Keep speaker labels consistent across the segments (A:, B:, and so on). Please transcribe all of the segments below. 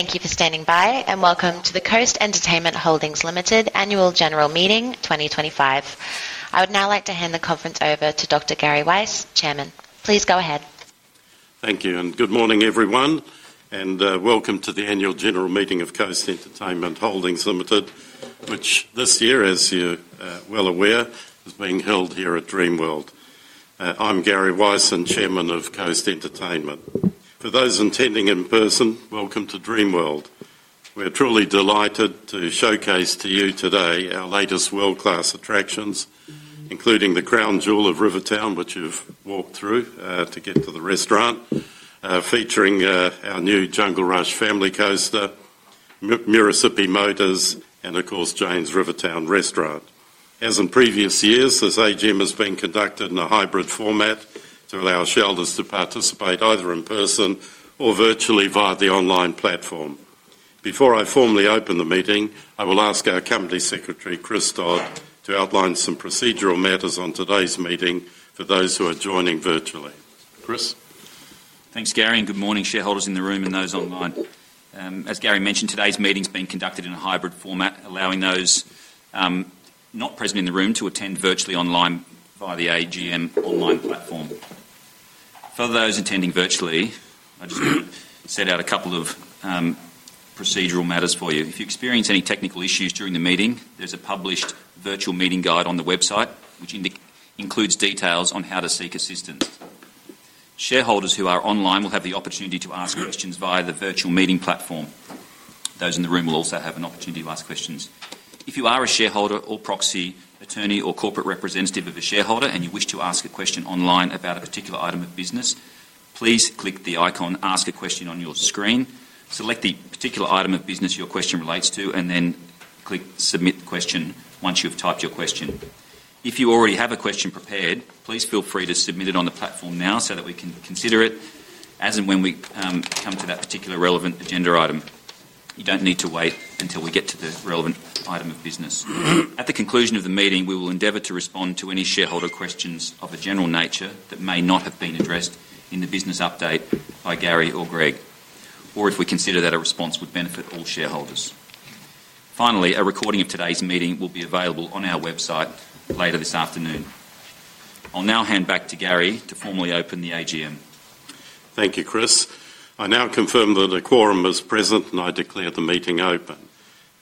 A: Thank you for standing by, and welcome to the Coast Entertainment Holdings Limited Annual General Meeting 2025. I would now like to hand the conference over to Dr. Gary Weiss, Chairman. Please go ahead.
B: Thank you, and good morning, everyone, and welcome to the Annual General Meeting of Coast Entertainment Holdings Limited, which this year, as you're well aware, is being held here at Dreamworld. I'm Gary Weiss, and Chairman of Coast Entertainment. For those attending in person, welcome to Dreamworld. We're truly delighted to showcase to you today our latest world-class attractions, including the crown jewel of Rivertown, which you've walked through to get to the restaurant. Featuring our new Jungle Rush family coaster, Murrissippi Motors, and of course, Jane’s Rivertown Restaurant. As in previous years, this AGM has been conducted in a hybrid format to allow shareholders to participate either in person or virtually via the online platform. Before I formally open the meeting, I will ask our Company Secretary, Chris Todd, to outline some procedural matters on today's meeting for those who are joining virtually. Chris.
C: Thanks, Gary, and good morning, shareholders in the room and those online. As Gary mentioned, today's meeting is being conducted in a hybrid format, allowing those not present in the room to attend virtually online via the AGM online platform. For those attending virtually, I just want to set out a couple of procedural matters for you. If you experience any technical issues during the meeting, there is a published virtual meeting guide on the website, which includes details on how to seek assistance. Shareholders who are online will have the opportunity to ask questions via the virtual meeting platform. Those in the room will also have an opportunity to ask questions. If you are a shareholder or proxy attorney or corporate representative of a shareholder and you wish to ask a question online about a particular item of business, please click the icon "Ask a Question" on your screen, select the particular item of business your question relates to, and then click "Submit Question" once you've typed your question. If you already have a question prepared, please feel free to submit it on the platform now so that we can consider it as and when we come to that particular relevant agenda item. You don't need to wait until we get to the relevant item of business. At the conclusion of the meeting, we will endeavor to respond to any shareholder questions of a general nature that may not have been addressed in the business update by Gary or Greg, or if we consider that a response would benefit all shareholders. Finally, a recording of today's meeting will be available on our website later this afternoon. I'll now hand back to Gary to formally open the AGM.
B: Thank you, Chris. I now confirm that the quorum is present, and I declare the meeting open.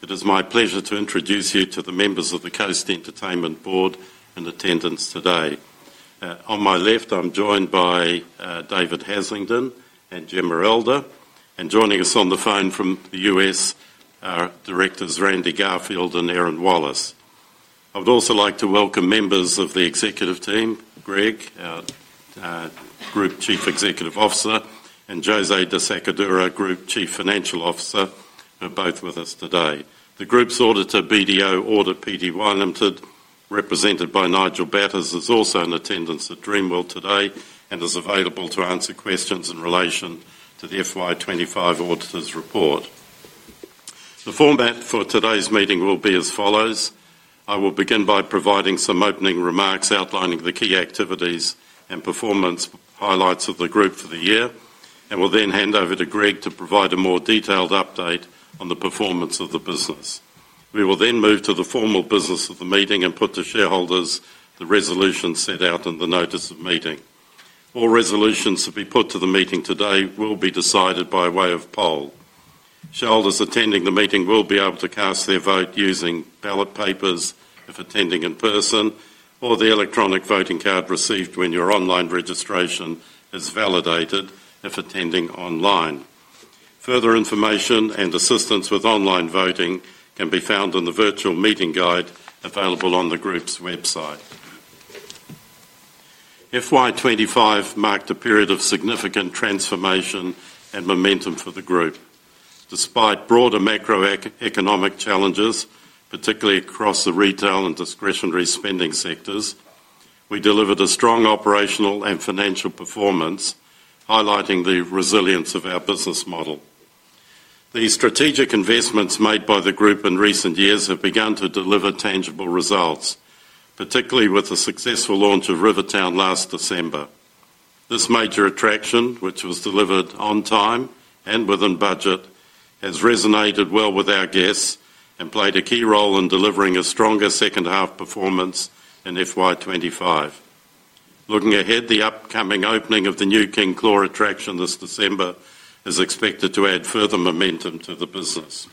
B: It is my pleasure to introduce you to the members of the Coast Entertainment Board in attendance today. On my left, I'm joined by David Haslingden and Jemma Elder, and joining us on the phone from the U.S. are Directors Randy Garfield and Erin Wallace. I would also like to welcome members of the executive team, Greg, Group Chief Executive Officer, and José De Sacadura, Group Chief Financial Officer, who are both with us today. The Group's auditor, BDO Audit Pty Ltd, represented by Nigel Batters, is also in attendance at Dreamworld today and is available to answer questions in relation to the FY 2025 auditor's report. The format for today's meeting will be as follows. I will begin by providing some opening remarks outlining the key activities and performance highlights of the group for the year, and will then hand over to Greg to provide a more detailed update on the performance of the business. We will then move to the formal business of the meeting and put to shareholders the resolutions set out in the Notice of Meeting. All resolutions to be put to the meeting today will be decided by way of poll. Shareholders attending the meeting will be able to cast their vote using ballot papers if attending in person, or the electronic voting card received when your online registration is validated if attending online. Further information and assistance with online voting can be found in the virtual meeting guide available on the Group's website. FY 2025 marked a period of significant transformation and momentum for the Group. Despite broader macroeconomic challenges, particularly across the retail and discretionary spending sectors, we delivered a strong operational and financial performance, highlighting the resilience of our business model. These strategic investments made by the Group in recent years have begun to deliver tangible results, particularly with the successful launch of Rivertown last December. This major attraction, which was delivered on time and within budget, has resonated well with our guests and played a key role in delivering a stronger second-half performance in FY 2025. Looking ahead, the upcoming opening of the new King Claw attraction this December is expected to add further momentum to the business.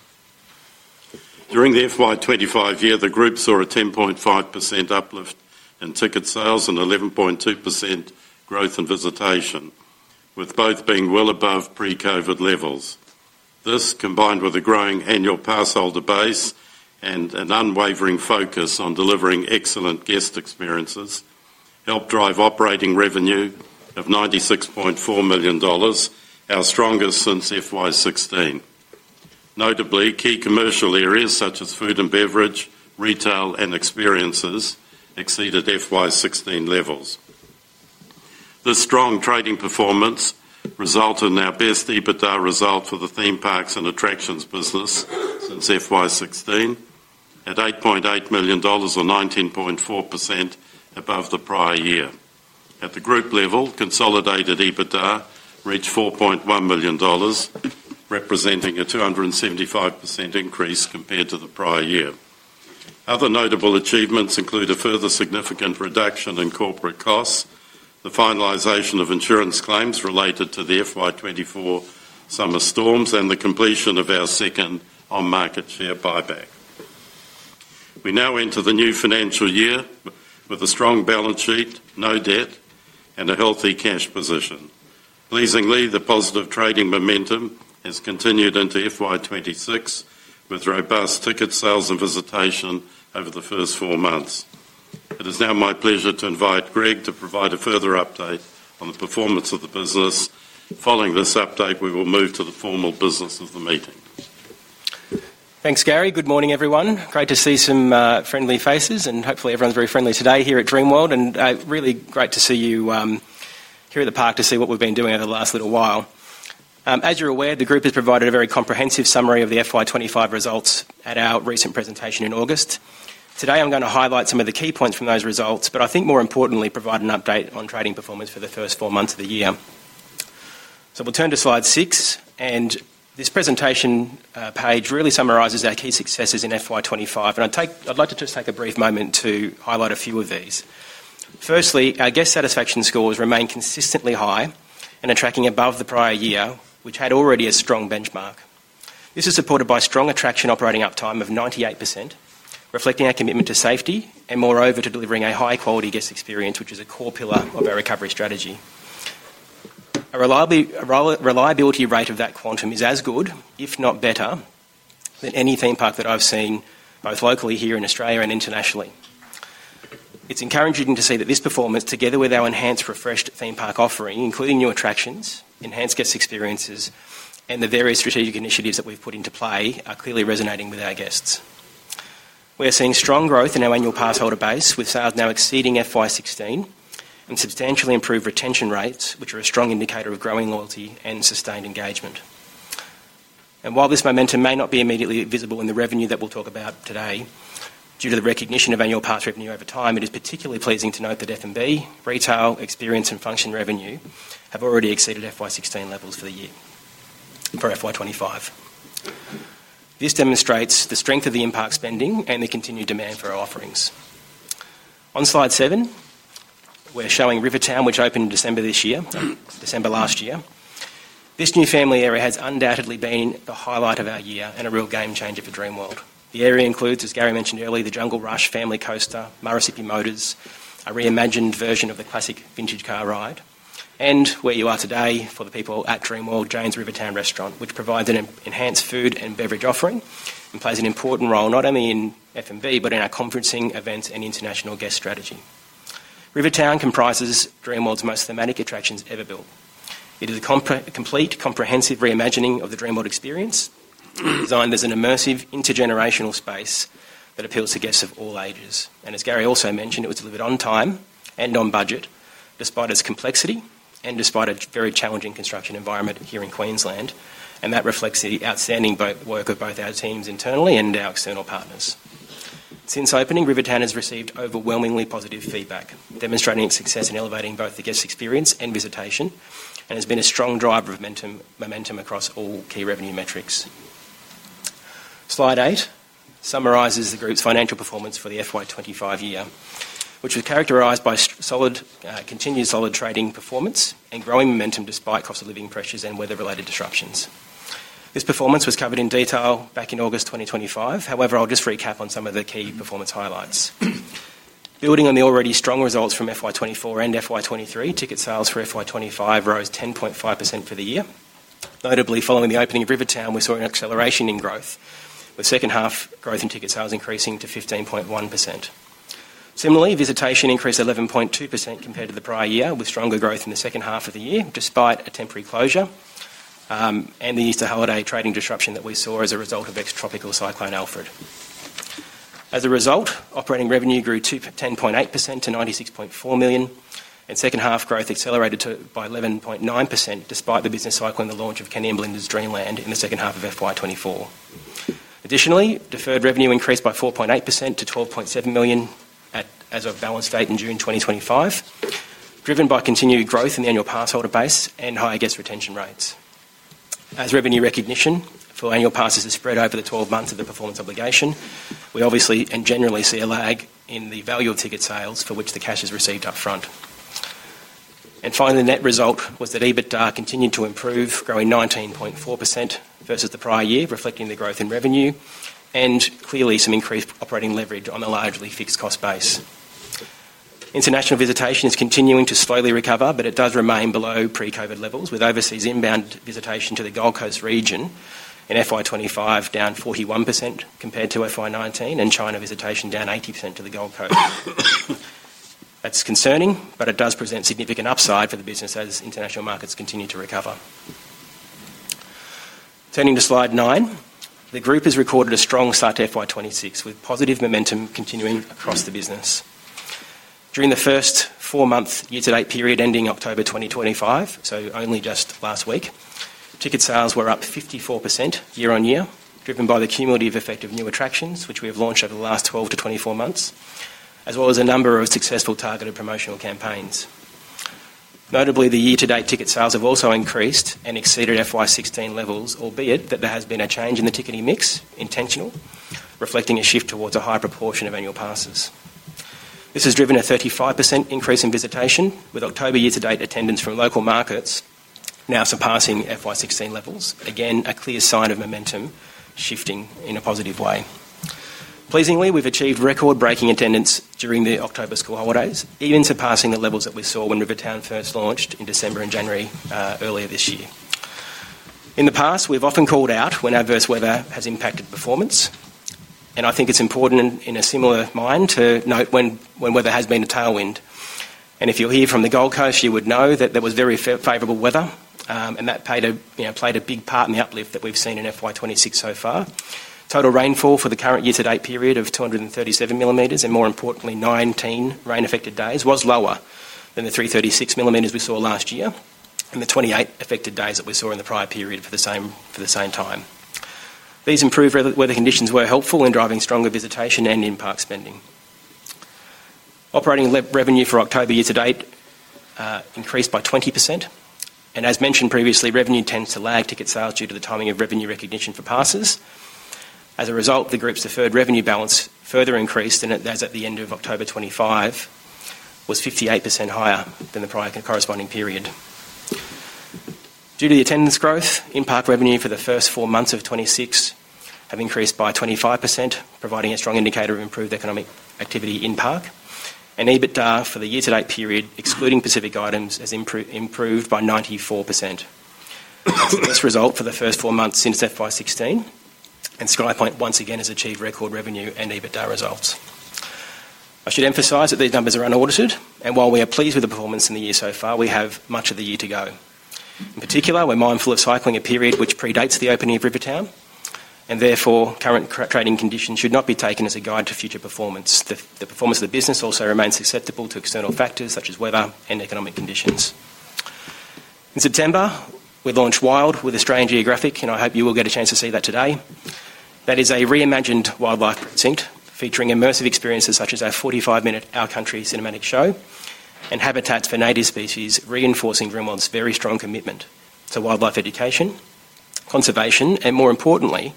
B: During the FY 2025 year, the Group saw a 10.5% uplift in ticket sales and 11.2% growth in visitation, with both being well above pre-COVID levels. This, combined with a growing annual parcel to base and an unwavering focus on delivering excellent guest experiences, helped drive operating revenue of $96.4 million, our strongest since FY 2016. Notably, key commercial areas such as food and beverage, retail, and experiences exceeded FY 2016 levels. This strong trading performance resulted in our best EBITDA result for the Theme Parks and Attractions business since FY 2016, at $8.8 million or 19.4% above the prior year. At the Group level, consolidated EBITDA reached $4.1 million, representing a 275% increase compared to the prior year. Other notable achievements include a further significant reduction in corporate costs, the finalization of insurance claims related to the FY 2024 summer storms, and the completion of our second on-market share buyback. We now enter the new financial year with a strong balance sheet, no debt, and a healthy cash position. Pleasingly, the positive trading momentum has continued into FY 2026 with robust ticket sales and visitation over the first four months. It is now my pleasure to invite Greg to provide a further update on the performance of the business. Following this update, we will move to the formal business of the meeting.
D: Thanks, Gary. Good morning, everyone. Great to see some friendly faces, and hopefully everyone's very friendly today here at Dreamworld. Really great to see you here at the park to see what we've been doing over the last little while. As you're aware, the Group has provided a very comprehensive summary of the FY 2025 results at our recent presentation in August. Today, I'm going to highlight some of the key points from those results. I think more importantly, provide an update on trading performance for the first four months of the year. We will turn to slide six, and this presentation page really summarizes our key successes in FY 2025. I'd like to just take a brief moment to highlight a few of these. Firstly, our guest satisfaction scores remain consistently high and are tracking above the prior year, which had already a strong benchmark. This is supported by strong attraction operating uptime of 98%, reflecting our commitment to safety and, moreover, to delivering a high-quality guest experience, which is a core pillar of our recovery strategy. A reliability rate of that quantum is as good, if not better, than any theme park that I've seen both locally here in Australia and internationally. It's encouraging to see that this performance, together with our enhanced, refreshed theme park offering, including new attractions, enhanced guest experiences, and the various strategic initiatives that we've put into play, are clearly resonating with our guests. We're seeing strong growth in our annual passholder base, with sales now exceeding FY 2016 and substantially improved retention rates, which are a strong indicator of growing loyalty and sustained engagement. While this momentum may not be immediately visible in the revenue that we'll talk about today, due to the recognition of annual park revenue over time, it is particularly pleasing to note that F&B, retail, experience, and function revenue have already exceeded FY 2016 levels for the year. For FY 2025, this demonstrates the strength of the in-park spending and the continued demand for our offerings. On slide seven, we're showing Rivertown, which opened in December this year, December last year. This new family area has undoubtedly been the highlight of our year and a real game-changer for Dreamworld. The area includes, as Gary mentioned earlier, the Jungle Rush family coaster, Murrissippi Motors, a reimagined version of the classic vintage car ride, and where you are today for the people at Dreamworld, Jane’s Rivertown Restaurant, which provides an enhanced food and beverage offering and plays an important role not only in F&B but in our conferencing, events, and international guest strategy. Rivertown comprises Dreamworld’s most thematic attractions ever built. It is a complete, comprehensive reimagining of the Dreamworld experience, designed as an immersive, intergenerational space that appeals to guests of all ages. As Gary also mentioned, it was delivered on time and on budget, despite its complexity and despite a very challenging construction environment here in Queensland. That reflects the outstanding work of both our teams internally and our external partners. Since opening, Rivertown has received overwhelmingly positive feedback, demonstrating its success in elevating both the guest experience and visitation, and has been a strong driver of momentum across all key revenue metrics. Slide eight summarizes the Group's financial performance for the FY 2025 year, which was characterized by continued solid trading performance and growing momentum despite cost-of-living pressures and weather-related disruptions. This performance was covered in detail back in August 2025. However, I'll just recap on some of the key performance highlights. Building on the already strong results from FY 2024 and FY 2023, ticket sales for FY 2025 rose 10.5% for the year. Notably, following the opening of Rivertown, we saw an acceleration in growth, with second-half growth in ticket sales increasing to 15.1%. Similarly, visitation increased 11.2% compared to the prior year, with stronger growth in the second half of the year despite a temporary closure. The Easter holiday trading disruption that we saw as a result of Ex-Tropical Cyclone Alfred. As a result, operating revenue grew 10.8% to $96.4 million, and second-half growth accelerated by 11.9% despite the business cycle and the launch of Kenny & Belinda's Dreamland in the second half of FY 2024. Additionally, deferred revenue increased by 4.8% to $12.7 million as of balance date in June 2025. Driven by continued growth in the annual passholder base and high guest retention rates. As revenue recognition for annual passes is spread over the 12 months of the performance obligation, we obviously and generally see a lag in the value of ticket sales for which the cash is received upfront. Finally, the net result was that EBITDA continued to improve, growing 19.4% versus the prior year, reflecting the growth in revenue and clearly some increased operating leverage on a largely fixed cost base. International visitation is continuing to slowly recover, but it does remain below pre-COVID levels, with overseas inbound visitation to the Gold Coast region in FY 2025 down 41% compared to FY 2019 and China visitation down 80% to the Gold Coast. That is concerning, but it does present significant upside for the business as international markets continue to recover. Turning to slide nine, the Group has recorded a strong start to FY 2026, with positive momentum continuing across the business. During the first four-month year-to-date period ending October 2025, so only just last week, ticket sales were up 54% year-on-year, driven by the cumulative effect of new attractions, which we have launched over the last 12-24 months, as well as a number of successful targeted promotional campaigns. Notably, the year-to-date ticket sales have also increased and exceeded FY 2016 levels, albeit that there has been a change in the ticketing mix, intentional, reflecting a shift towards a higher proportion of annual passes. This has driven a 35% increase in visitation, with October year-to-date attendance from local markets now surpassing FY 2016 levels, again a clear sign of momentum shifting in a positive way. Pleasingly, we've achieved record-breaking attendance during the October school holidays, even surpassing the levels that we saw when Rivertown first launched in December and January earlier this year. In the past, we've often called out when adverse weather has impacted performance, and I think it's important in a similar mind to note when weather has been a tailwind. If you're here from the Gold Coast, you would know that there was very favorable weather, and that played a big part in the uplift that we've seen in FY 2026 so far. Total rainfall for the current year-to-date period of 237 millimeters and, more importantly, 19 rain-affected days was lower than the 336 millimeters we saw last year and the 28 affected days that we saw in the prior period for the same time. These improved weather conditions were helpful in driving stronger visitation and in-park spending. Operating revenue for October year-to-date increased by 20%. As mentioned previously, revenue tends to lag ticket sales due to the timing of revenue recognition for passes. As a result, the Group's deferred revenue balance further increased as at the end of October 2025. It was 58% higher than the prior corresponding period. Due to the attendance growth, in-park revenue for the first four months of 2026 has increased by 25%, providing a strong indicator of improved economic activity in park. EBITDA for the year-to-date period, excluding specific items, has improved by 94%. This result for the first four months since FY 2016. SkyPoint once again has achieved record revenue and EBITDA results. I should emphasize that these numbers are unaudited, and while we are pleased with the performance in the year so far, we have much of the year to go. In particular, we are mindful of cycling a period which predates the opening of Rivertown, and therefore current trading conditions should not be taken as a guide to future performance. The performance of the business also remains susceptible to external factors such as weather and economic conditions. In September, we launched WILD with Australian Geographic, and I hope you will get a chance to see that today. That is a reimagined wildlife precinct featuring immersive experiences such as our 45-minute Our Country cinematic show and habitats for native species, reinforcing Dreamworld's very strong commitment to wildlife education, conservation, and, more importantly,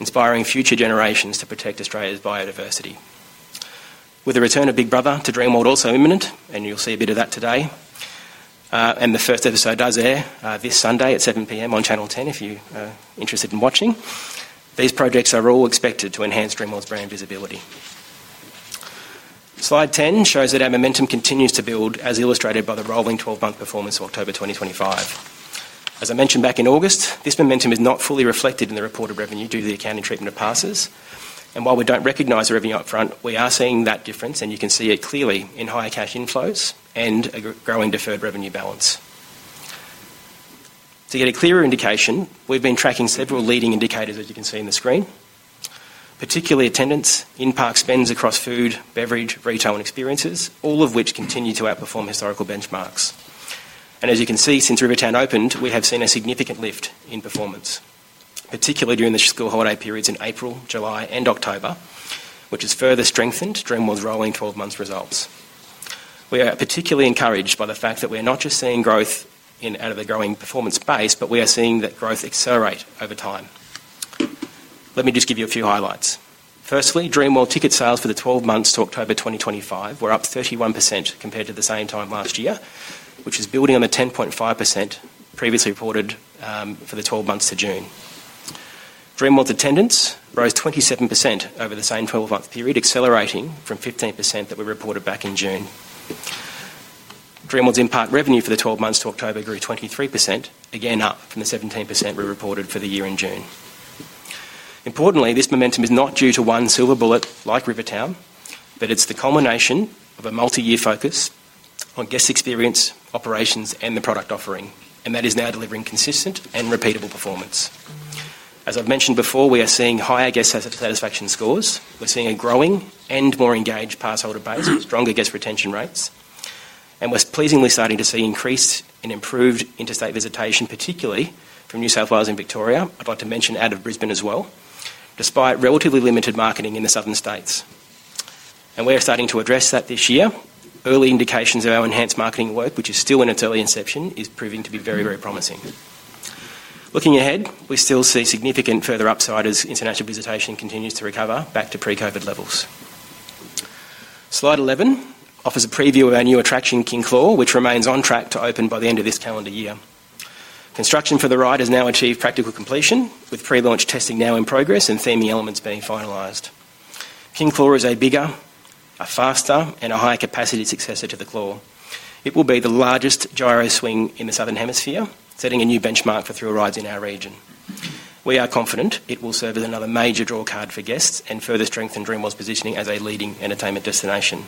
D: inspiring future generations to protect Australia's biodiversity. With the return of Big Brother to Dreamworld also imminent, you'll see a bit of that today. The first episode does air this Sunday at 7:00 P.M. on Channel 10 if you are interested in watching. These projects are all expected to enhance Dreamworld's brand visibility. Slide 10 shows that our momentum continues to build, as illustrated by the rolling 12-month performance for October 2025. As I mentioned back in August, this momentum is not fully reflected in the reported revenue due to the accounting treatment of passes. While we do not recognize the revenue upfront, we are seeing that difference, and you can see it clearly in higher cash inflows and a growing deferred revenue balance. To get a clearer indication, we have been tracking several leading indicators, as you can see on the screen. Particularly attendance, in-park spends across food, beverage, retail, and experiences, all of which continue to outperform historical benchmarks. And as you can see since Rivertown opened, we have seen a significant lift in performance, particularly during the school holiday periods in April, July, and October, which has further strengthened Dreamworld's rolling 12-month results. We are particularly encouraged by the fact that we are not just seeing growth out of the growing performance base, but we are seeing that growth accelerate over time. Let me just give you a few highlights. Firstly, Dreamworld ticket sales for the 12 months to October 2025 were up 31% compared to the same time last year, which is building on the 10.5% previously reported for the 12 months to June. Dreamworld's attendance rose 27% over the same 12-month period, accelerating from 15% that we reported back in June. Dreamworld's in-park revenue for the 12 months to October grew 23%, again up from the 17% we reported for the year in June. Importantly, this momentum is not due to one silver bullet like Rivertown, but it's the culmination of a multi-year focus on guest experience, operations, and the product offering, and that is now delivering consistent and repeatable performance. As I've mentioned before, we are seeing higher guest satisfaction scores. We're seeing a growing and more engaged passholder base, stronger guest retention rates, and we're pleasingly starting to see increase in improved interstate visitation, particularly from New South Wales and Victoria. I'd like to mention out of Brisbane as well, despite relatively limited marketing in the southern states. We're starting to address that this year. Early indications of our enhanced marketing work, which is still in its early inception, is proving to be very, very promising. Looking ahead, we still see significant further upside as international visitation continues to recover back to pre-COVID levels. Slide 11 offers a preview of our new attraction, King Claw, which remains on track to open by the end of this calendar year. Construction for the ride has now achieved practical completion, with pre-launch testing now in progress and theming elements being finalized. King Claw is a bigger, a faster, and a higher capacity successor to the Claw. It will be the largest gyro swing in the Southern Hemisphere, setting a new benchmark for thrill rides in our region. We are confident it will serve as another major draw card for guests and further strengthen Dreamworld's positioning as a leading entertainment destination.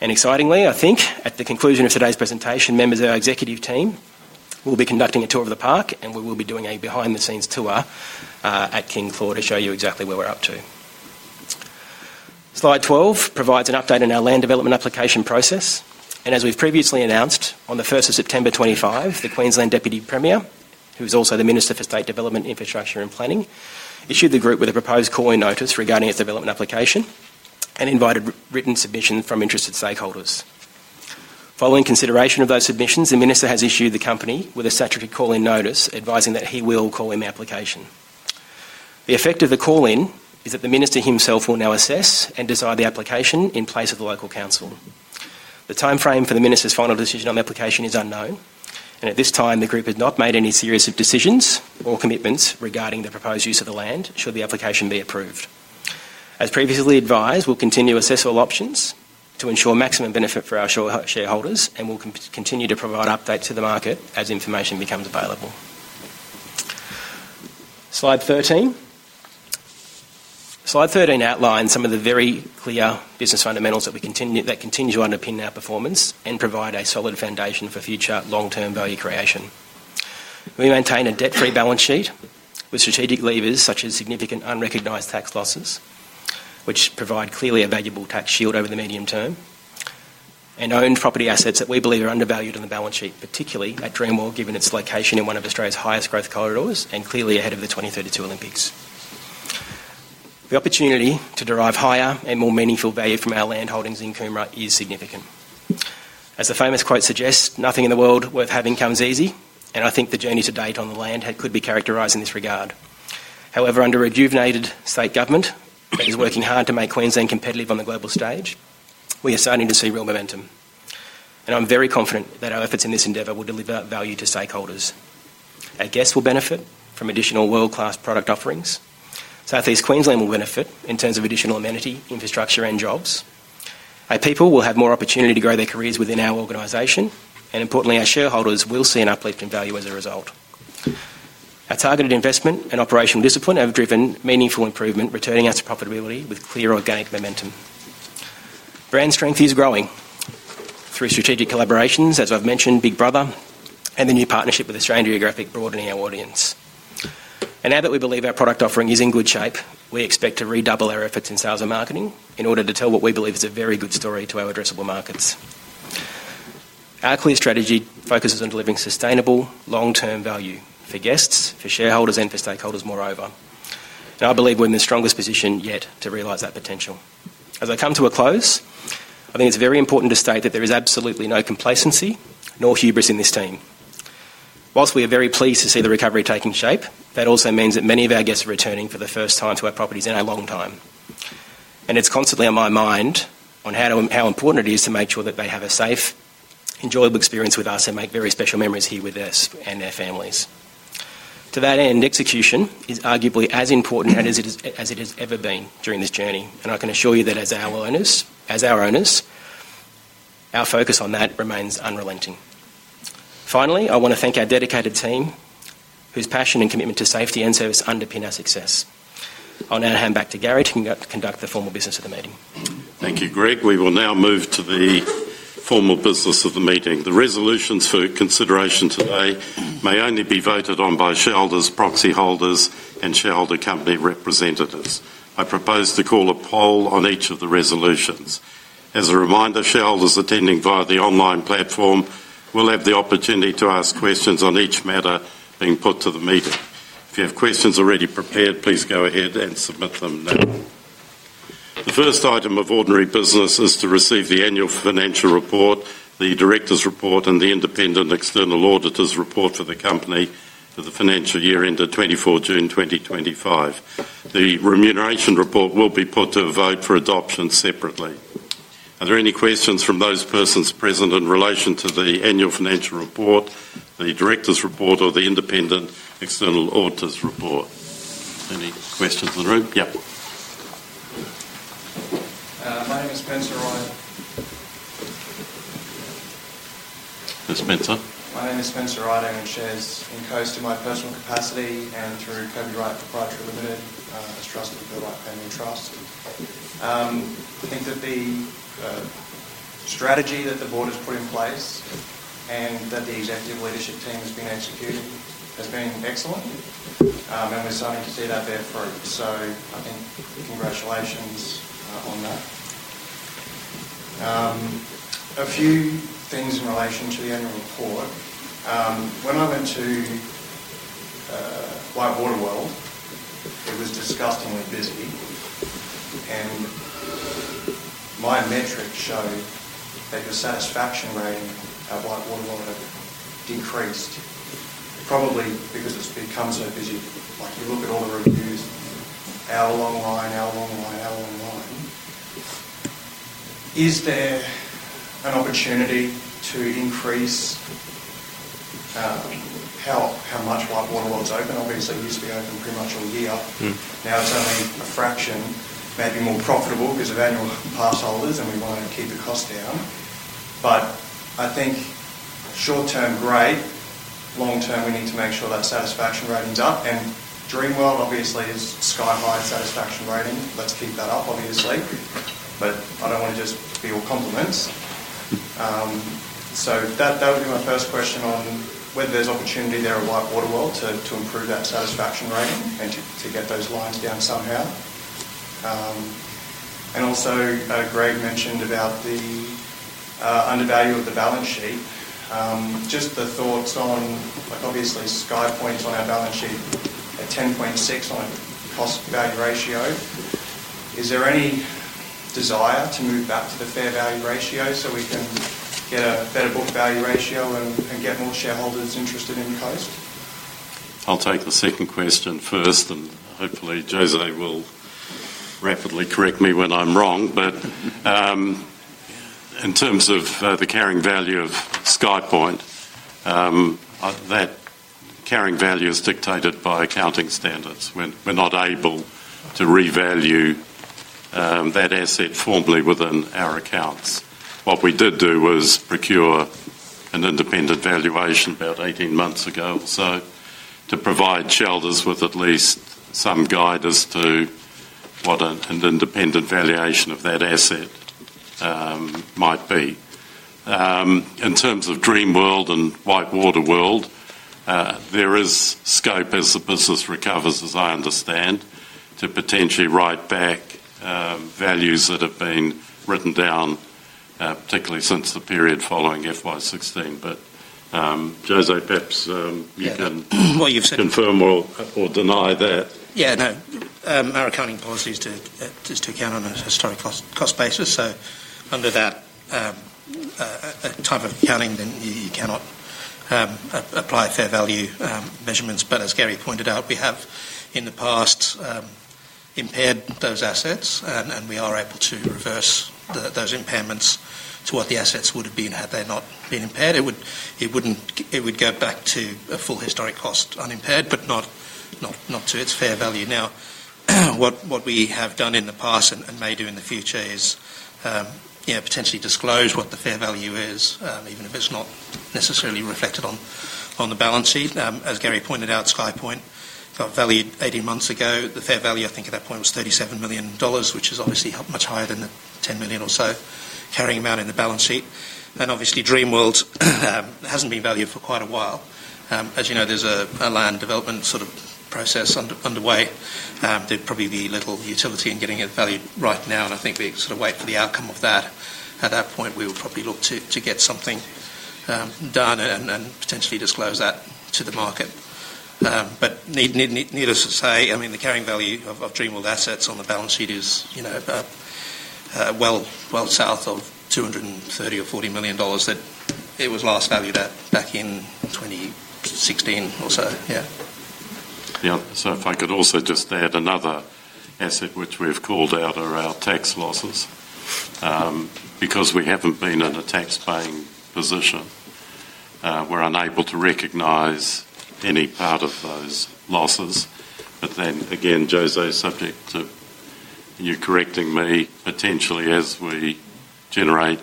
D: Excitingly, I think, at the conclusion of today's presentation, members of our executive team will be conducting a tour of the park, and we will be doing a behind-the-scenes tour at King Claw to show you exactly where we're up to. Slide 12 provides an update on our land development application process. As we've previously announced, on the 1st of September 2025, the Queensland Deputy Premier, who is also the Minister for State Development, Infrastructure, and Planning, issued the Group with a proposed call-in notice regarding its development application and invited written submissions from interested stakeholders. Following consideration of those submissions, the Minister has issued the company with a statutory call-in notice advising that he will call in the application. The effect of the call-in is that the Minister himself will now assess and decide the application in place of the local council. The timeframe for the Minister's final decision on the application is unknown, and at this time, the Group has not made any serious decisions or commitments regarding the proposed use of the land should the application be approved. As previously advised, we'll continue to assess all options to ensure maximum benefit for our shareholders and will continue to provide updates to the market as information becomes available. Slide 13. Slide 13 outlines some of the very clear business fundamentals that continue to underpin our performance and provide a solid foundation for future long-term value creation. We maintain a debt-free balance sheet with strategic levers such as significant unrecognized tax losses, which provide clearly a valuable tax shield over the medium term. Owned property assets that we believe are undervalued on the balance sheet, particularly at Dreamworld, given its location in one of Australia's highest growth corridors and clearly ahead of the 2032 Olympics. The opportunity to derive higher and more meaningful value from our land holdings in Coomera is significant. As the famous quote suggests, "Nothing in the world worth having comes easy," and I think the journey to date on the land could be characterized in this regard. However, under a rejuvenated state government that is working hard to make Queensland competitive on the global stage, we are starting to see real momentum. I am very confident that our efforts in this endeavor will deliver value to stakeholders. Our guests will benefit from additional world-class product offerings. Southeast Queensland will benefit in terms of additional amenity, infrastructure, and jobs. Our people will have more opportunity to grow their careers within our organization. Importantly, our shareholders will see an uplift in value as a result. Our targeted investment and operational discipline have driven meaningful improvement, returning us to profitability with clear organic momentum. Brand strength is growing. Through strategic collaborations, as I've mentioned, Big Brother, and the new partnership with Australian Geographic broadening our audience. Now that we believe our product offering is in good shape, we expect to redouble our efforts in sales and marketing in order to tell what we believe is a very good story to our addressable markets. Our clear strategy focuses on delivering sustainable, long-term value for guests, for shareholders, and for stakeholders moreover. I believe we're in the strongest position yet to realize that potential. As I come to a close, I think it's very important to state that there is absolutely no complacency nor hubris in this team. Whilst we are very pleased to see the recovery taking shape, that also means that many of our guests are returning for the first time to our properties in a long time. It is constantly on my mind how important it is to make sure that they have a safe, enjoyable experience with us and make very special memories here with us and their families. To that end, execution is arguably as important as it has ever been during this journey. I can assure you that as our owners, our focus on that remains unrelenting. Finally, I want to thank our dedicated team, whose passion and commitment to safety and service underpin our success. I'll now hand back to Gary to conduct the formal business of the meeting.
B: Thank you, Greg. We will now move to the formal business of the meeting. The resolutions for consideration today may only be voted on by shareholders, proxy holders, and shareholder company representatives. I propose to call a poll on each of the resolutions. As a reminder, shareholders attending via the online platform will have the opportunity to ask questions on each matter being put to the meeting. If you have questions already prepared, please go ahead and submit them now. The first item of ordinary business is to receive the annual financial report, the director's report, and the independent external auditor's report for the company for the financial year ended 24 June 2025. The remuneration report will be put to a vote for adoption separately. Are there any questions from those persons present in relation to the annual financial report, the director's report, or the independent external auditor's report? Any questions in the room? Yep.
E: My name is Spencer Wright.
B: Ms. Spencer.
E: My name is Spencer Wright and shares in Coast in my personal capacity and through Kobe Wright Proprietary Limited as trustee for the Light Family Trust. I think that the strategy that the board has put in place and that the executive leadership team has been executing has been excellent. We are starting to see that bear fruit. I think congratulations on that. A few things in relation to the annual report. When I went to WhiteWater World, it was disgustingly busy. My metrics show that your satisfaction rating at WhiteWater World had decreased, probably because it has become so busy. You look at all the reviews. Hour-long line, hour-long line, hour-long line. Is there an opportunity to increase how much WhiteWater World is open? Obviously, it used to be open pretty much all year. Now it's only a fraction, maybe more profitable because of annual parcel holders, and we want to keep the cost down. But I think short-term, great. Long-term, we need to make sure that satisfaction rating's up. Dreamworld, obviously, is sky-high satisfaction rating. Let's keep that up, obviously. I don't want to just be all compliments. That would be my first question on whether there's opportunity there at WhiteWater World to improve that satisfaction rating and to get those lines down somehow. And also, Greg mentioned about the undervalue of the balance sheet. Just the thoughts on, obviously, SkyPoint on our balance sheet at $10.6 million on a cost-value ratio. Is there any desire to move back to the fair value ratio so we can get a better book value ratio and get more shareholders interested in Coast?
B: I'll take the second question first, and hopefully, José will rapidly correct me when I'm wrong. In terms of the carrying value of SkyPoint, that carrying value is dictated by accounting standards. We're not able to revalue that asset formally within our accounts. What we did do was procure an independent valuation about 18 months ago or so to provide shareholders with at least some guide as to what an independent valuation of that asset might be. In terms of Dreamworld and WhiteWater World, there is scope as the business recovers, as I understand, to potentially write back values that have been written down, particularly since the period following FY 2016. José, perhaps you can.
F: Yeah. You've said.
B: Confirm or deny that.
F: Yeah. No. Our accounting policy is to account on a historic cost basis. Under that type of accounting, you cannot apply fair value measurements. As Gary pointed out, we have in the past impaired those assets, and we are able to reverse those impairments to what the assets would have been had they not been impaired. It would go back to a full historic cost unimpaired, but not to its fair value. What we have done in the past and may do in the future is potentially disclose what the fair value is, even if it is not necessarily reflected on the balance sheet. As Gary pointed out, SkyPoint got valued 18 months ago. The fair value, I think, at that point was $37 million, which is obviously much higher than the $10 million or so carrying amount in the balance sheet. Obviously, Dreamworld hasn't been valued for quite a while. As you know, there's a land development sort of process underway. There'd probably be little utility in getting it valued right now, and I think we sort of wait for the outcome of that. At that point, we will probably look to get something done and potentially disclose that to the market. Needless to say, I mean, the carrying value of Dreamworld assets on the balance sheet is well south of $230 million or $240 million that it was last valued at back in 2016 or so. Yeah.
B: Yeah. If I could also just add another asset which we have called out are our tax losses. Because we haven't been in a tax-paying position, we're unable to recognize any part of those losses. Then again, José, subject to you correcting me potentially, as we generate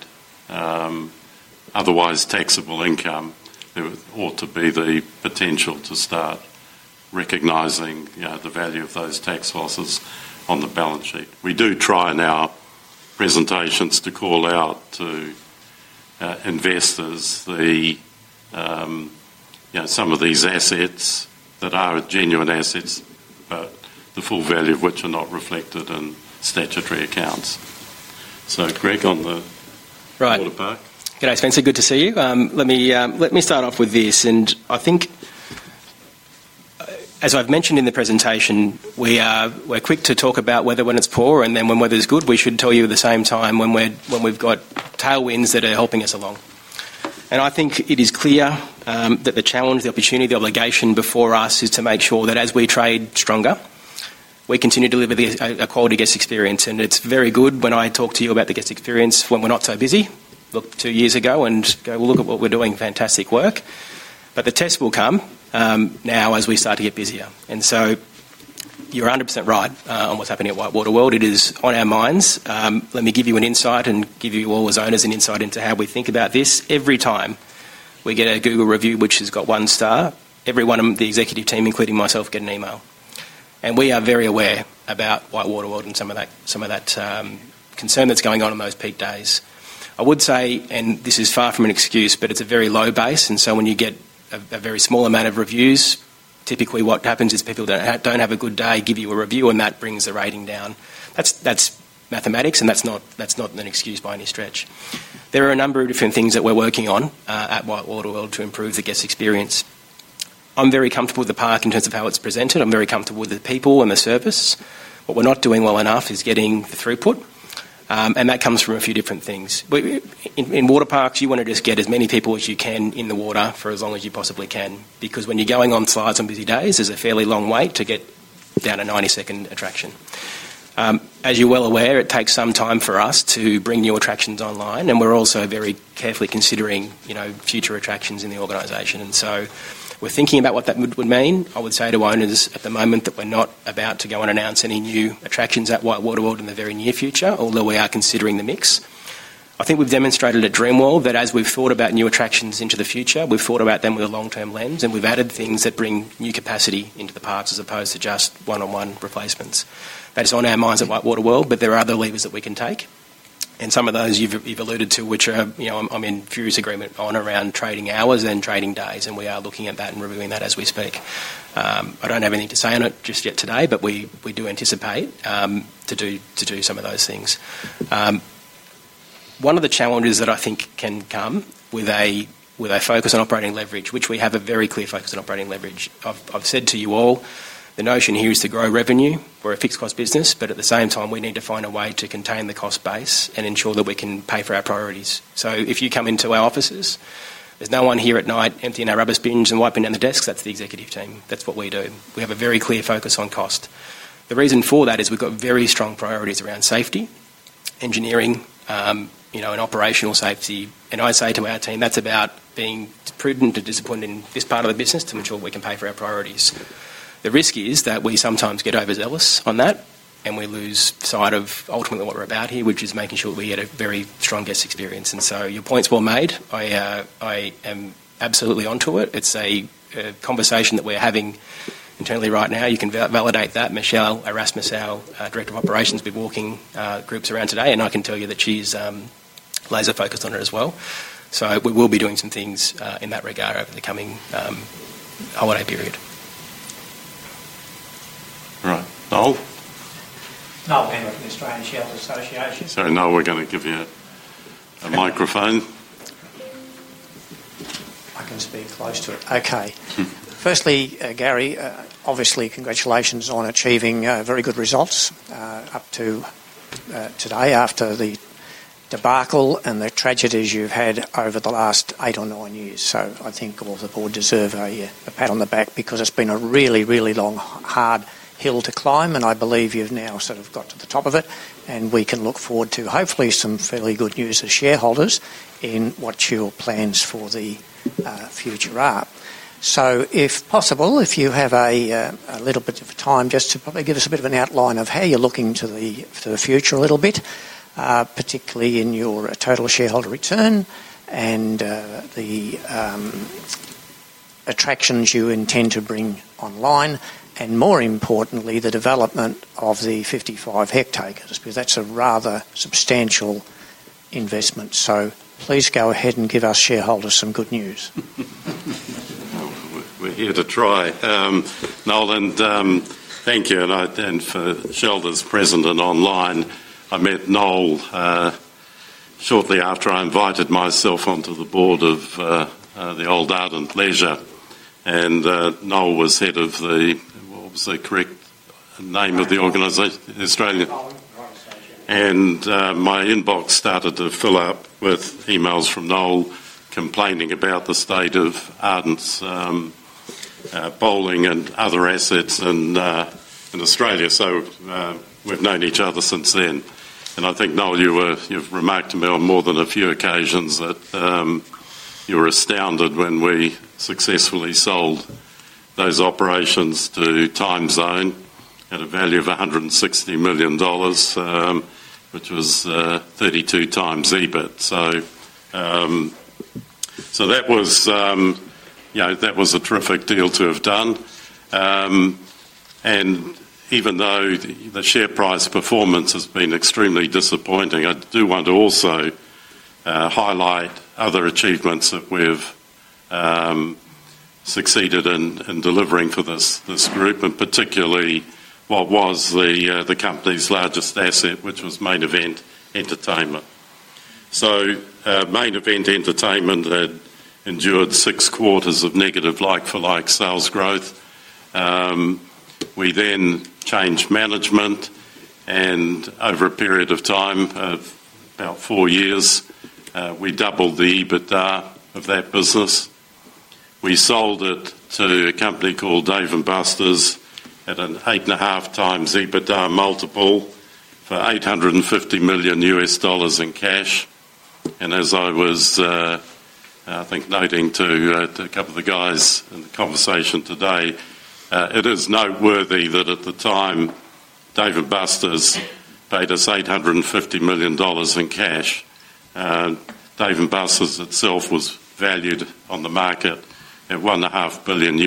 B: otherwise taxable income, there would ought to be the potential to start recognizing the value of those tax losses on the balance sheet. We do try in our presentations to call out to investors some of these assets that are genuine assets, but the full value of which are not reflected in statutory accounts. Greg, on the Water Park.
D: Good. Hi, Spencer. Good to see you. Let me start off with this. I think as I've mentioned in the presentation, we're quick to talk about weather when it's poor and then when weather's good. We should tell you at the same time when we've got tailwinds that are helping us along. I think it is clear that the challenge, the opportunity, the obligation before us is to make sure that as we trade stronger, we continue to deliver a quality guest experience. It's very good when I talk to you about the guest experience when we're not so busy, look two years ago and go, "Well, look at what we're doing. Fantastic work." The test will come now as we start to get busier. You're 100% right on what's happening at WhiteWater World. It is on our minds. Let me give you an insight and give you all as owners an insight into how we think about this. Every time we get a Google review, which has got one star, everyone on the executive team, including myself, gets an email. We are very aware about WhiteWater World and some of that concern that's going on in those peak days. I would say, and this is far from an excuse, but it's a very low base. When you get a very small amount of reviews, typically what happens is people don't have a good day, give you a review, and that brings the rating down. That's mathematics, and that's not an excuse by any stretch. There are a number of different things that we're working on at WhiteWater World to improve the guest experience. I'm very comfortable with the park in terms of how it's presented. I'm very comfortable with the people and the service. What we're not doing well enough is getting the throughput. That comes from a few different things. In water parks, you want to just get as many people as you can in the water for as long as you possibly can. Because when you're going on slides on busy days, there's a fairly long wait to get down a 90-second attraction. As you're well aware, it takes some time for us to bring new attractions online. We're also very carefully considering future attractions in the organization. We're thinking about what that would mean. I would say to owners at the moment that we're not about to go and announce any new attractions at WhiteWater World in the very near future, although we are considering the mix. I think we've demonstrated at Dreamworld that as we've thought about new attractions into the future, we've thought about them with a long-term lens, and we've added things that bring new capacity into the parks as opposed to just one-on-one replacements. That is on our minds at WhiteWater World, but there are other levers that we can take. Some of those you've alluded to, which I'm in fierce agreement on around trading hours and trading days. We are looking at that and reviewing that as we speak. I don't have anything to say on it just yet today, but we do anticipate to do some of those things. One of the challenges that I think can come with a focus on operating leverage, which we have a very clear focus on operating leverage, I've said to you all, the notion here is to grow revenue for a fixed-cost business, but at the same time, we need to find a way to contain the cost base and ensure that we can pay for our priorities. If you come into our offices, there's no one here at night emptying our rubber sponge and wiping down the desks. That's the executive team. That's what we do. We have a very clear focus on cost. The reason for that is we've got very strong priorities around safety, engineering, and operational safety. I say to our team, that's about being prudent and disciplined in this part of the business to ensure we can pay for our priorities. The risk is that we sometimes get overzealous on that, and we lose sight of ultimately what we're about here, which is making sure that we get a very strong guest experience. Your point's well made. I am absolutely onto it. It's a conversation that we're having internally right now. You can validate that. Michelle Erasmus, Director of Operations, has been walking groups around today, and I can tell you that she's laser-focused on it as well. We will be doing some things in that regard over the coming holiday period.
B: Noel?
G: Noel Ambler, the Australian Shareholders Association.
B: Sorry, Noel, we're going to give you a microphone.
G: I can speak close to it. Okay. Firstly, Gary, obviously, congratulations on achieving very good results up to today after the debacle and the tragedies you've had over the last eight or nine years. I think all of the board deserve a pat on the back because it's been a really, really long, hard hill to climb, and I believe you've now sort of got to the top of it. We can look forward to hopefully some fairly good news as shareholders in what your plans for the future are. So if possible, if you have a little bit of time just to probably give us a bit of an outline of how you're looking to the future a little bit, particularly in your total shareholder return and the. Attractions you intend to bring online, and more importantly, the development of the 55 hectares, because that's a rather substantial investment. Please go ahead and give us shareholders some good news.
B: We're here to try. Noel, and thank you. And for shareholders present and online, I met Noel shortly after I invited myself onto the board of the old Ardent Leisure. And Noel was head of the—what was the correct name of the organization? Australian. And my inbox started to fill up with emails from Noel complaining about the state of Ardent Bowling and other assets in Australia. So we've known each other since then. I think, Noel, you've remarked to me on more than a few occasions that you were astounded when we successfully sold those operations to Time Zone at a value of $160 million, which was 32x EBITDA. That was a terrific deal to have done. Even though the share price performance has been extremely disappointing, I do want to also highlight other achievements that we've. Succeeded in delivering for this group, and particularly what was the company's largest asset, which was Main Event Entertainment. Main Event Entertainment had endured six quarters of negative like-for-like sales growth. We then changed management. Over a period of time, about four years, we doubled the EBITDA of that business. We sold it to a company called Dave & Buster's at an 8.5x EBITDA multiple for $850 million in cash. As I was, I think, noting to a couple of the guys in the conversation today, it is noteworthy that at the time, Dave & Buster's paid us $850 million in cash. Dave & Buster's itself was valued on the market at $1.5 billion.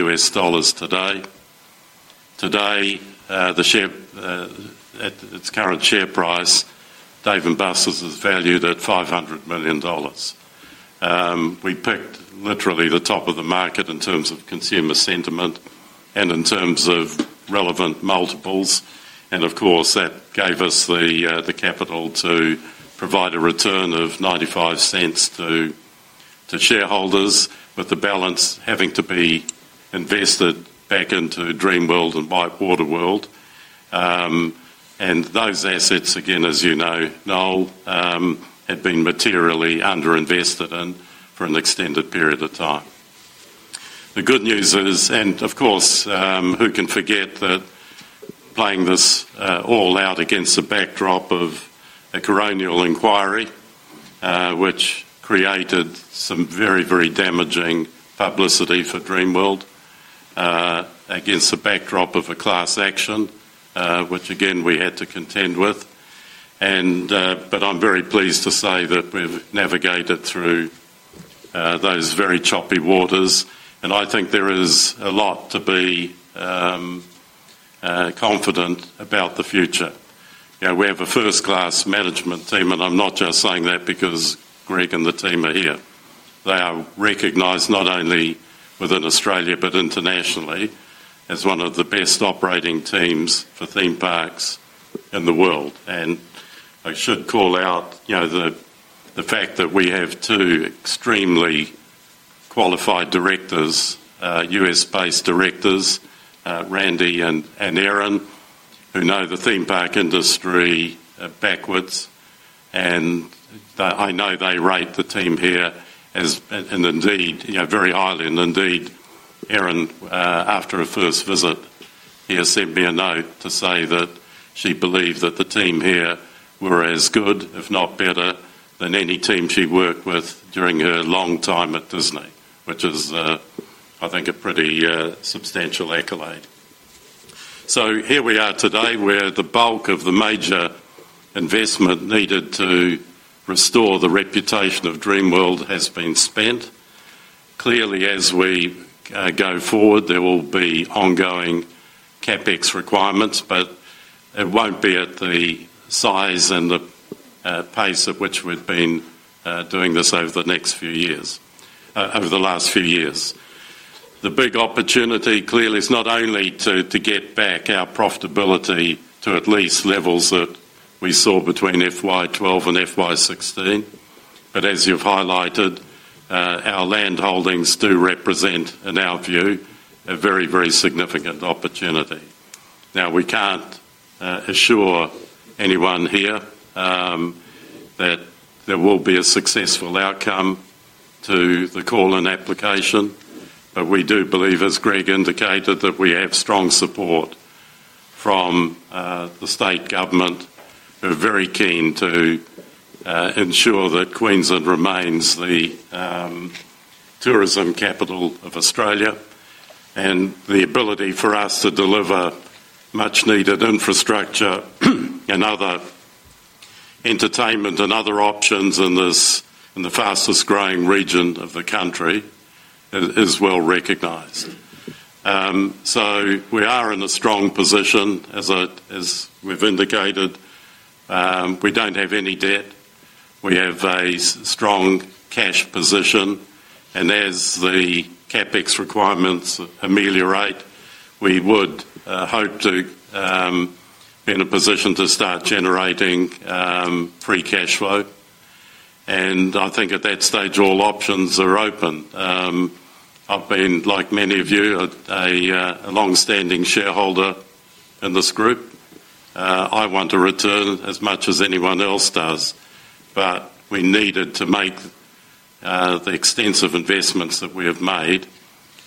B: Today, at its current share price, Dave & Buster's is valued at $500 million. We picked literally the top of the market in terms of consumer sentiment and in terms of relevant multiples. Of course, that gave us the capital to provide a return of $0.95 to shareholders, with the balance having to be invested back into Dreamworld and WhiteWater World. Those assets, again, as you know, Noel, had been materially underinvested in for an extended period of time. The good news is, who can forget that, playing this all out against the backdrop of a coronial inquiry, which created some very, very damaging publicity for Dreamworld, against the backdrop of a class action, which again, we had to contend with. But I am very pleased to say that we have navigated through those very choppy waters. I think there is a lot to be confident about the future. We have a first-class management team, and I'm not just saying that because Greg and the team are here. They are recognized not only within Australia but internationally as one of the best operating teams for theme parks in the world. I should call out the fact that we have two extremely qualified directors, U.S.-based directors, Randy and Erin, who know the theme park industry backwards. I know they rate the team here very highly. Indeed, Erin, after her first visit, sent me a note to say that she believed that the team here were as good, if not better, than any team she worked with during her long time at Disney, which is, I think, a pretty substantial accolade. So here we are today, where the bulk of the major investment needed to restore the reputation of Dreamworld has been spent. Clearly, as we go forward, there will be ongoing CapEx requirements, but it will not be at the size and the pace at which we have been doing this over the last few years. The big opportunity clearly is not only to get back our profitability to at least levels that we saw between FY 2012 and FY 2016, but as you have highlighted, our land holdings do represent, in our view, a very, very significant opportunity. Now, we cannot assure anyone here that there will be a successful outcome to the call and application, but we do believe, as Greg indicated, that we have strong support from the state government, who are very keen to ensure that Queensland remains the tourism capital of Australia. And the ability for us to deliver much-needed infrastructure and other entertainment and other options in the fastest-growing region of the country is well recognized. So we are in a strong position. As we've indicated, we do not have any debt. We have a strong cash position, and as the CapEx requirements ameliorate, we would hope to be in a position to start generating free cash flow. I think at that stage, all options are open. I have been, like many of you, a long-standing shareholder in this group. I want a return as much as anyone else does. But we needed to make the extensive investments that we have made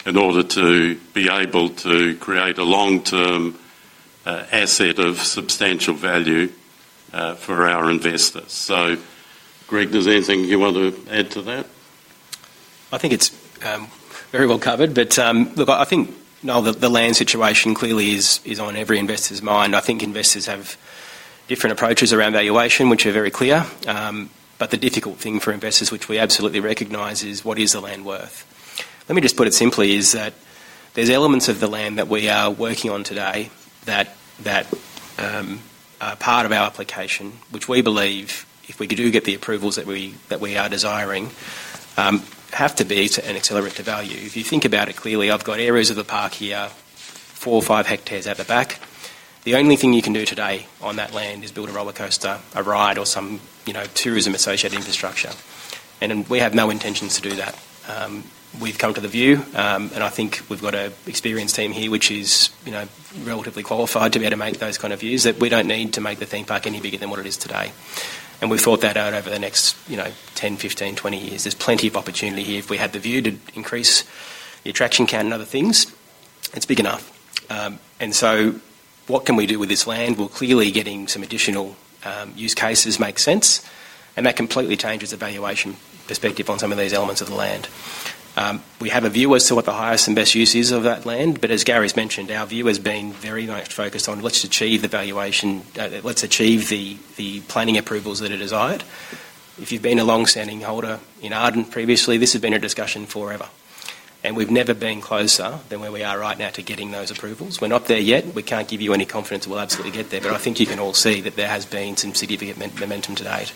B: in order to be able to create a long-term asset of substantial value for our investors. So, Greg, is there anything you want to add to that?
D: I think it's very well covered. I think, Noel, the land situation clearly is on every investor's mind. I think investors have different approaches around valuation, which are very clear. The difficult thing for investors, which we absolutely recognize, is what is the land worth? Let me just put it simply: there are elements of the land that we are working on today that are part of our application, which we believe, if we do get the approvals that we are desiring, have to be an accelerator of value. If you think about it clearly, I've got areas of the park here, four, five hectares out the back. The only thing you can do today on that land is build a roller coaster, a ride, or some tourism-associated infrastructure. We have no intentions to do that. We've come to the view, and I think we've got an experienced team here, which is relatively qualified to be able to make those kind of views, that we don't need to make the theme park any bigger than what it is today. We've thought that out over the next 10, 15, 20 years. There's plenty of opportunity here. If we had the view to increase the attraction count and other things, it's big enough. What can we do with this land? Clearly, getting some additional use cases makes sense. That completely changes the valuation perspective on some of these elements of the land. We have a view as to what the highest and best use is of that land. As Gary's mentioned, our view has been very much focused on, let's achieve the valuation, let's achieve the planning approvals that are desired. If you've been a long-standing holder in Ardent previously, this has been a discussion forever. We've never been closer than where we are right now to getting those approvals. We're not there yet. We can't give you any confidence that we'll absolutely get there. I think you can all see that there has been some significant momentum to date.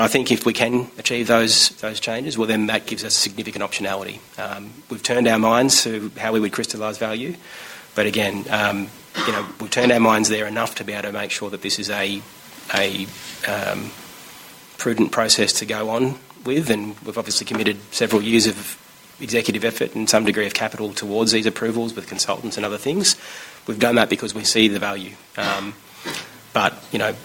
D: I think if we can achieve those changes, that gives us significant optionality. We've turned our minds to how we would crystallize value. We've turned our minds there enough to be able to make sure that this is a prudent process to go on with. We've obviously committed several years of executive effort and some degree of capital towards these approvals with consultants and other things. We've done that because we see the value.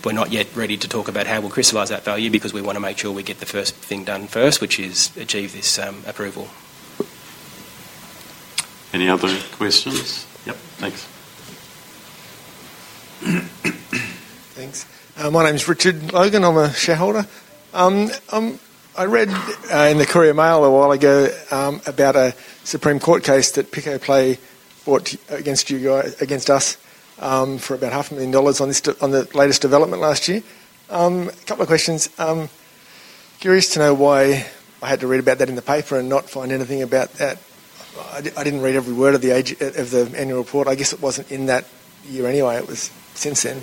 D: We're not yet ready to talk about how we'll crystallize that value because we want to make sure we get the first thing done first, which is achieve this approval.
B: Any other questions? Yep. Thanks.
H: Thanks. My name's Richard Logan. I'm a shareholder. I read in the Courier Mail a while ago about a Supreme Court case that Pico Play brought against us for about $0.5 million on the latest development last year. A couple of questions. Curious to know why I had to read about that in the paper and not find anything about that. I didn't read every word of the annual report. I guess it wasn't in that year anyway. It was since then.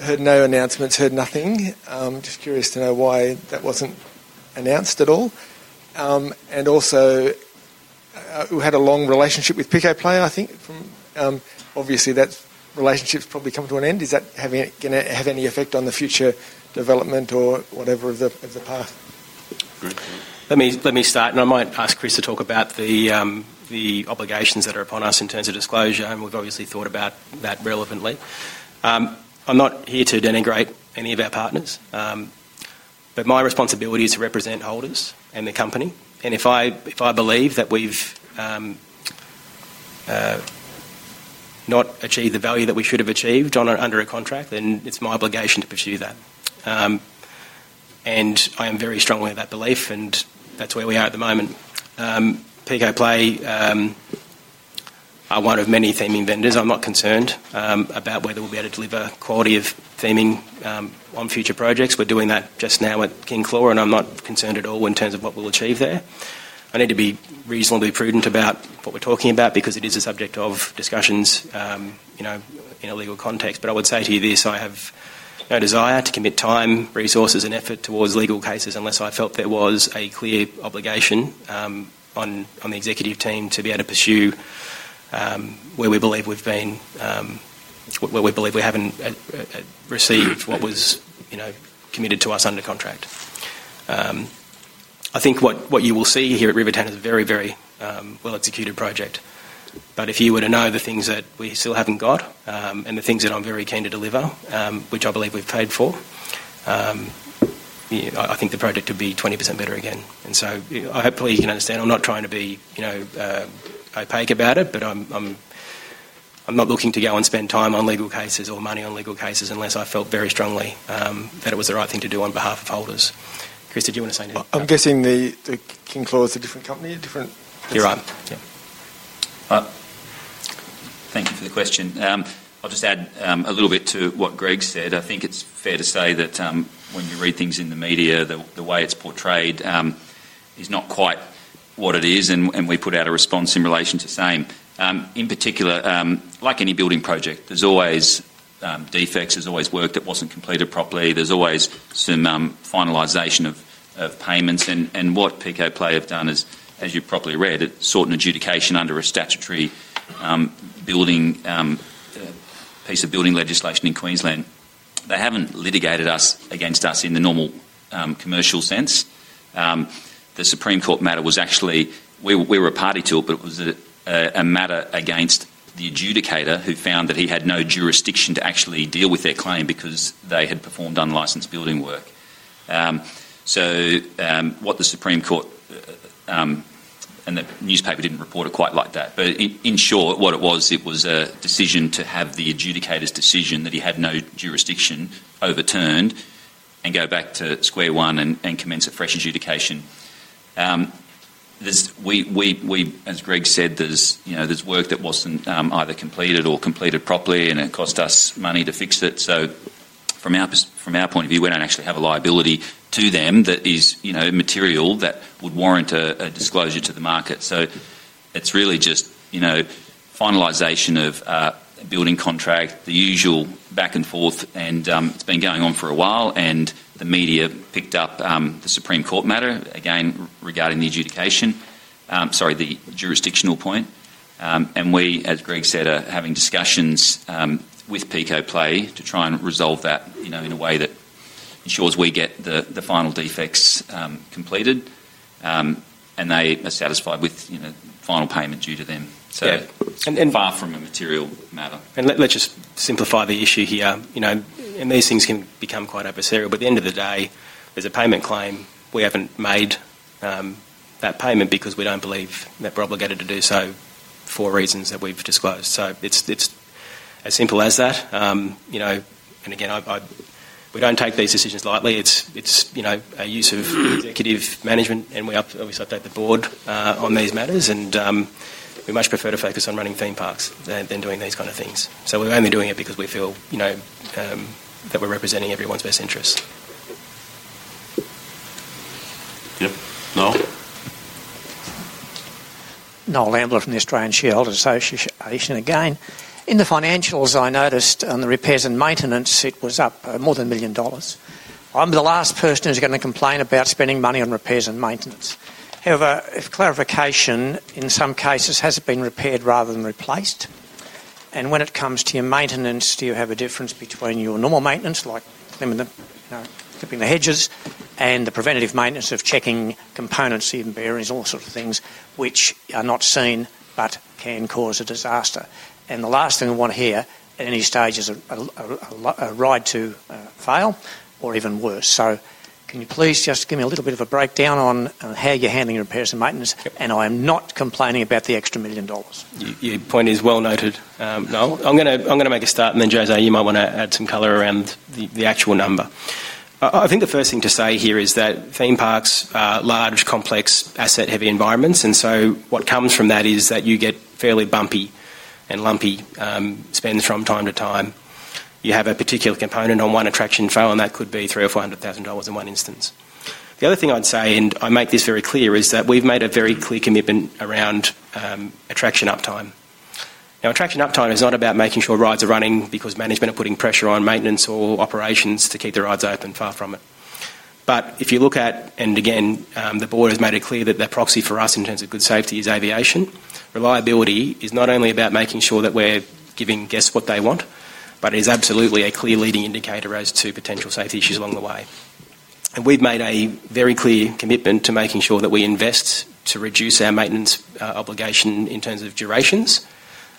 H: I heard no announcements, heard nothing. Just curious to know why that wasn't announced at all. Also, we had a long relationship with Pico Play, I think. Obviously, that relationship's probably come to an end. Is that going to have any effect on the future development or whatever of the park?
B: Good.
D: Let me start. I might ask Chris to talk about the obligations that are upon us in terms of disclosure. We've obviously thought about that relevantly. I'm not here to denigrate any of our partners. My responsibility is to represent holders and the company. If I believe that we've not achieved the value that we should have achieved under a contract, then it's my obligation to pursue that. I am very strongly of that belief. That's where we are at the moment. Pico Play are one of many theming vendors. I'm not concerned about whether we'll be able to deliver quality of theming on future projects. We're doing that just now at King Claw, and I'm not concerned at all in terms of what we'll achieve there. I need to be reasonably prudent about what we're talking about because it is a subject of discussions in a legal context. I would say to you this, I have no desire to commit time, resources, and effort towards legal cases unless I felt there was a clear obligation on the executive team to be able to pursue. Where we believe we haven't received what was committed to us under contract. I think what you will see here at Rivertown is a very, very well-executed project. If you were to know the things that we still haven't got and the things that I'm very keen to deliver, which I believe we've paid for, I think the project could be 20% better again. Hopefully, you can understand. I'm not trying to be. Opaque about it, but I'm not looking to go and spend time on legal cases or money on legal cases unless I felt very strongly that it was the right thing to do on behalf of holders. Chris, did you want to say anything?
H: I'm guessing King Claw is a different company, a different.
D: You're right. Yeah.
C: Thank you for the question. I'll just add a little bit to what Greg said. I think it's fair to say that when you read things in the media, the way it's portrayed is not quite what it is. We put out a response in relation to the same. In particular, like any building project, there's always defects. There's always work that wasn't completed properly. There's always some finalization of payments. What Pico Play have done is, as you've properly read, it's sought an adjudication under a statutory piece of building legislation in Queensland. They haven't litigated against us in the normal commercial sense. The Supreme Court matter was actually we were a party to it, but it was a matter against the adjudicator who found that he had no jurisdiction to actually deal with their claim because they had performed unlicensed building work. What the Supreme Court, and the newspaper did not report it quite like that. In short, what it was, it was a decision to have the adjudicator's decision that he had no jurisdiction overturned and go back to square one and commence a fresh adjudication. As Greg said, there is work that was not either completed or completed properly, and it cost us money to fix it. From our point of view, we do not actually have a liability to them that is material that would warrant a disclosure to the market. It is really just finalization of a building contract, the usual back and forth. It has been going on for a while. The media picked up the Supreme Court matter, again, regarding the adjudication, sorry, the jurisdictional point. We, as Greg said, are having discussions with Pico Play to try and resolve that in a way that ensures we get the final defects completed. They are satisfied with final payment due to them. It is far from a material matter.
D: Let's just simplify the issue here. These things can become quite adversarial. At the end of the day, there's a payment claim. We haven't made that payment because we don't believe that we're obligated to do so for reasons that we've disclosed. It's as simple as that. Again, we don't take these decisions lightly. It's a use of executive management, and we update the board on these matters. We much prefer to focus on running theme parks than doing these kind of things. We're only doing it because we feel that we're representing everyone's best interests. Noel?
G: Noel Amler from the Australian Shareholders Association. Again, in the financials, I noticed on the repairs and maintenance, it was up more than $1 million. I'm the last person who's going to complain about spending money on repairs and maintenance. However, if clarification in some cases hasn't been repaired rather than replaced. When it comes to your maintenance, do you have a difference between your normal maintenance, like clipping the hedges, and the preventative maintenance of checking components, even bearings, all sorts of things, which are not seen but can cause a disaster? The last thing we want to hear at any stage is a ride to fail or even worse. Can you please just give me a little bit of a breakdown on how you're handling repairs and maintenance? I am not complaining about the extra $1 million.
D: Your point is well noted, Noel. I'm going to make a start, and then José, you might want to add some color around the actual number. I think the first thing to say here is that theme parks are large, complex, asset-heavy environments. What comes from that is that you get fairly bumpy and lumpy spends from time to time. You have a particular component on one attraction fail, and that could be $300,000-$400,000 in one instance. The other thing I'd say, and I make this very clear, is that we've made a very clear commitment around attraction uptime. Now, attraction uptime is not about making sure rides are running because management are putting pressure on maintenance or operations to keep the rides open, far from it. If you look at—and again, the board has made it clear that their proxy for us in terms of good safety is aviation—reliability is not only about making sure that we're giving guests what they want, but it is absolutely a clear leading indicator as to potential safety issues along the way. We've made a very clear commitment to making sure that we invest to reduce our maintenance obligation in terms of durations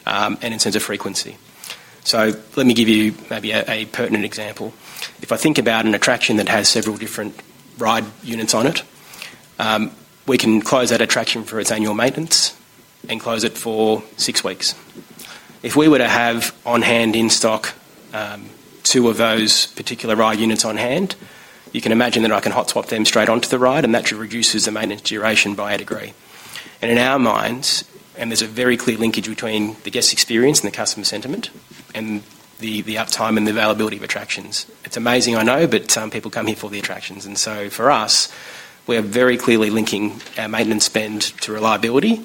D: and in terms of frequency. Let me give you maybe a pertinent example. If I think about an attraction that has several different ride units on it, we can close that attraction for its annual maintenance and close it for six weeks if we were to have on hand in stock. Two of those particular ride units on hand, you can imagine that I can hot swap them straight onto the ride, and that reduces the maintenance duration by a degree. In our minds, and there is a very clear linkage between the guest experience and the customer sentiment and the uptime and the availability of attractions. It is amazing, I know, but some people come here for the attractions. For us, we are very clearly linking our maintenance spend to reliability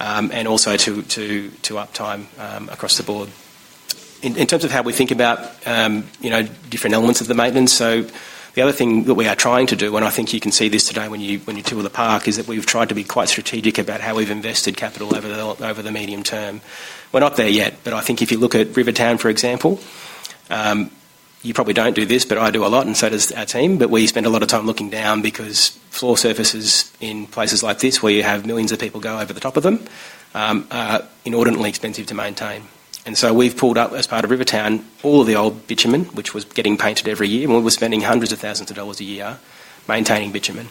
D: and also to uptime across the board. In terms of how we think about different elements of the maintenance, the other thing that we are trying to do—and I think you can see this today when you tour the park—is that we have tried to be quite strategic about how we have invested capital over the medium term. We are not there yet. I think if you look at Rivertown, for example. You probably do not do this, but I do a lot, and so does our team. We spend a lot of time looking down because floor surfaces in places like this where you have millions of people go over the top of them are inordinately expensive to maintain. We have pulled up, as part of Rivertown, all of the old bitumen, which was getting painted every year. We were spending hundreds of thousands of dollars a year maintaining bitumen.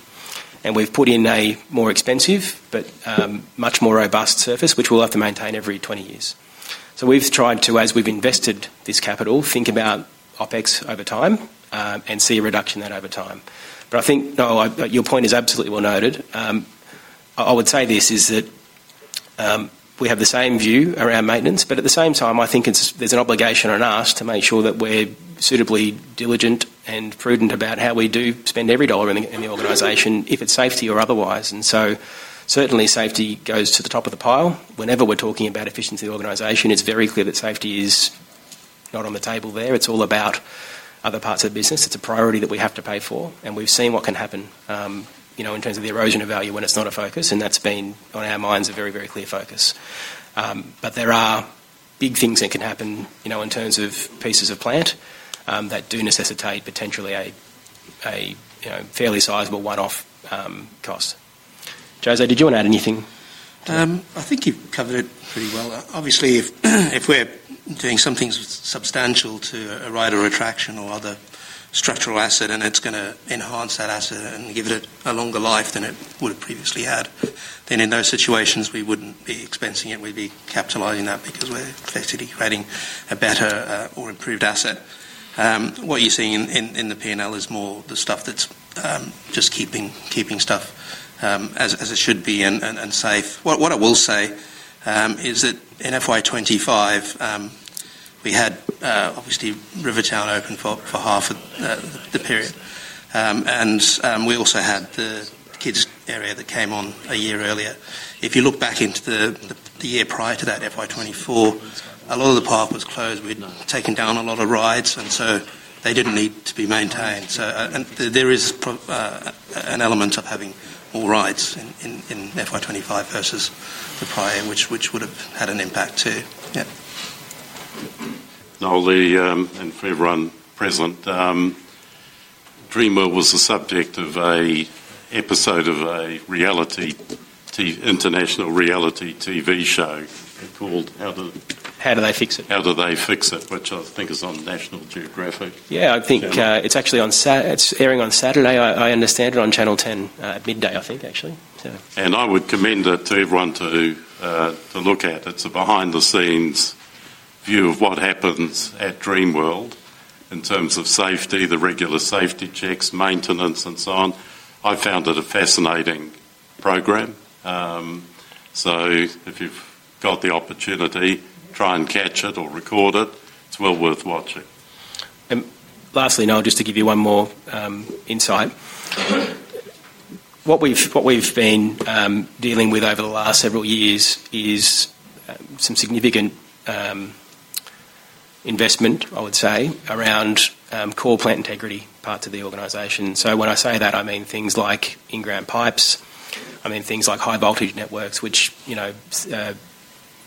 D: We have put in a more expensive but much more robust surface, which we will have to maintain every 20 years. We have tried to, as we have invested this capital, think about OpEx over time and see a reduction in that over time. I think, Noel, your point is absolutely well noted. I would say this is that. We have the same view around maintenance. At the same time, I think there's an obligation on us to make sure that we're suitably diligent and prudent about how we do spend every dollar in the organization, if it's safety or otherwise. Certainly, safety goes to the top of the pile. Whenever we're talking about efficiency of the organization, it's very clear that safety is not on the table there. It's all about other parts of the business. It's a priority that we have to pay for. We've seen what can happen in terms of the erosion of value when it's not a focus. That's been, on our minds, a very, very clear focus. There are big things that can happen in terms of pieces of plant that do necessitate potentially a fairly sizable one-off cost. José, did you want to add anything?
F: I think you've covered it pretty well. Obviously, if we're doing something substantial to a ride or attraction or other structural asset and it's going to enhance that asset and give it a longer life than it would have previously had, then in those situations, we wouldn't be expensing it. We'd be capitalizing that because we're effectively creating a better or improved asset. What you're seeing in the P&L is more the stuff that's just keeping stuff as it should be and safe. What I will say is that in FY 2025, we had, obviously, Rivertown open for half of the period. And we also had the kids' area that came on a year earlier. If you look back into the year prior to that, FY 2024, a lot of the park was closed. We'd taken down a lot of rides, and so they didn't need to be maintained. So there is. An element of having more rides in FY 2025 versus the prior, which would have had an impact too. Yeah.
B: And everyone present. Dreamworld was the subject of an episode of an international reality TV show. It's called How.
D: How Did they Fix That.
B: How Did they Fix That. Which I think is on National Geographic.
D: Yeah, I think it's actually airing on Saturday. I understand it on Channel 10 at midday, I think, actually.
B: I would commend it to everyone to look at. It's a behind-the-scenes view of what happens at Dreamworld in terms of safety, the regular safety checks, maintenance, and so on. I found it a fascinating program. If you've got the opportunity, try and catch it or record it. It's well worth watching.
D: Lastly, Noel, just to give you one more insight. What we've been dealing with over the last several years is some significant investment, I would say, around core plant integrity parts of the organization. When I say that, I mean things like inground pipes. I mean things like high-voltage networks, which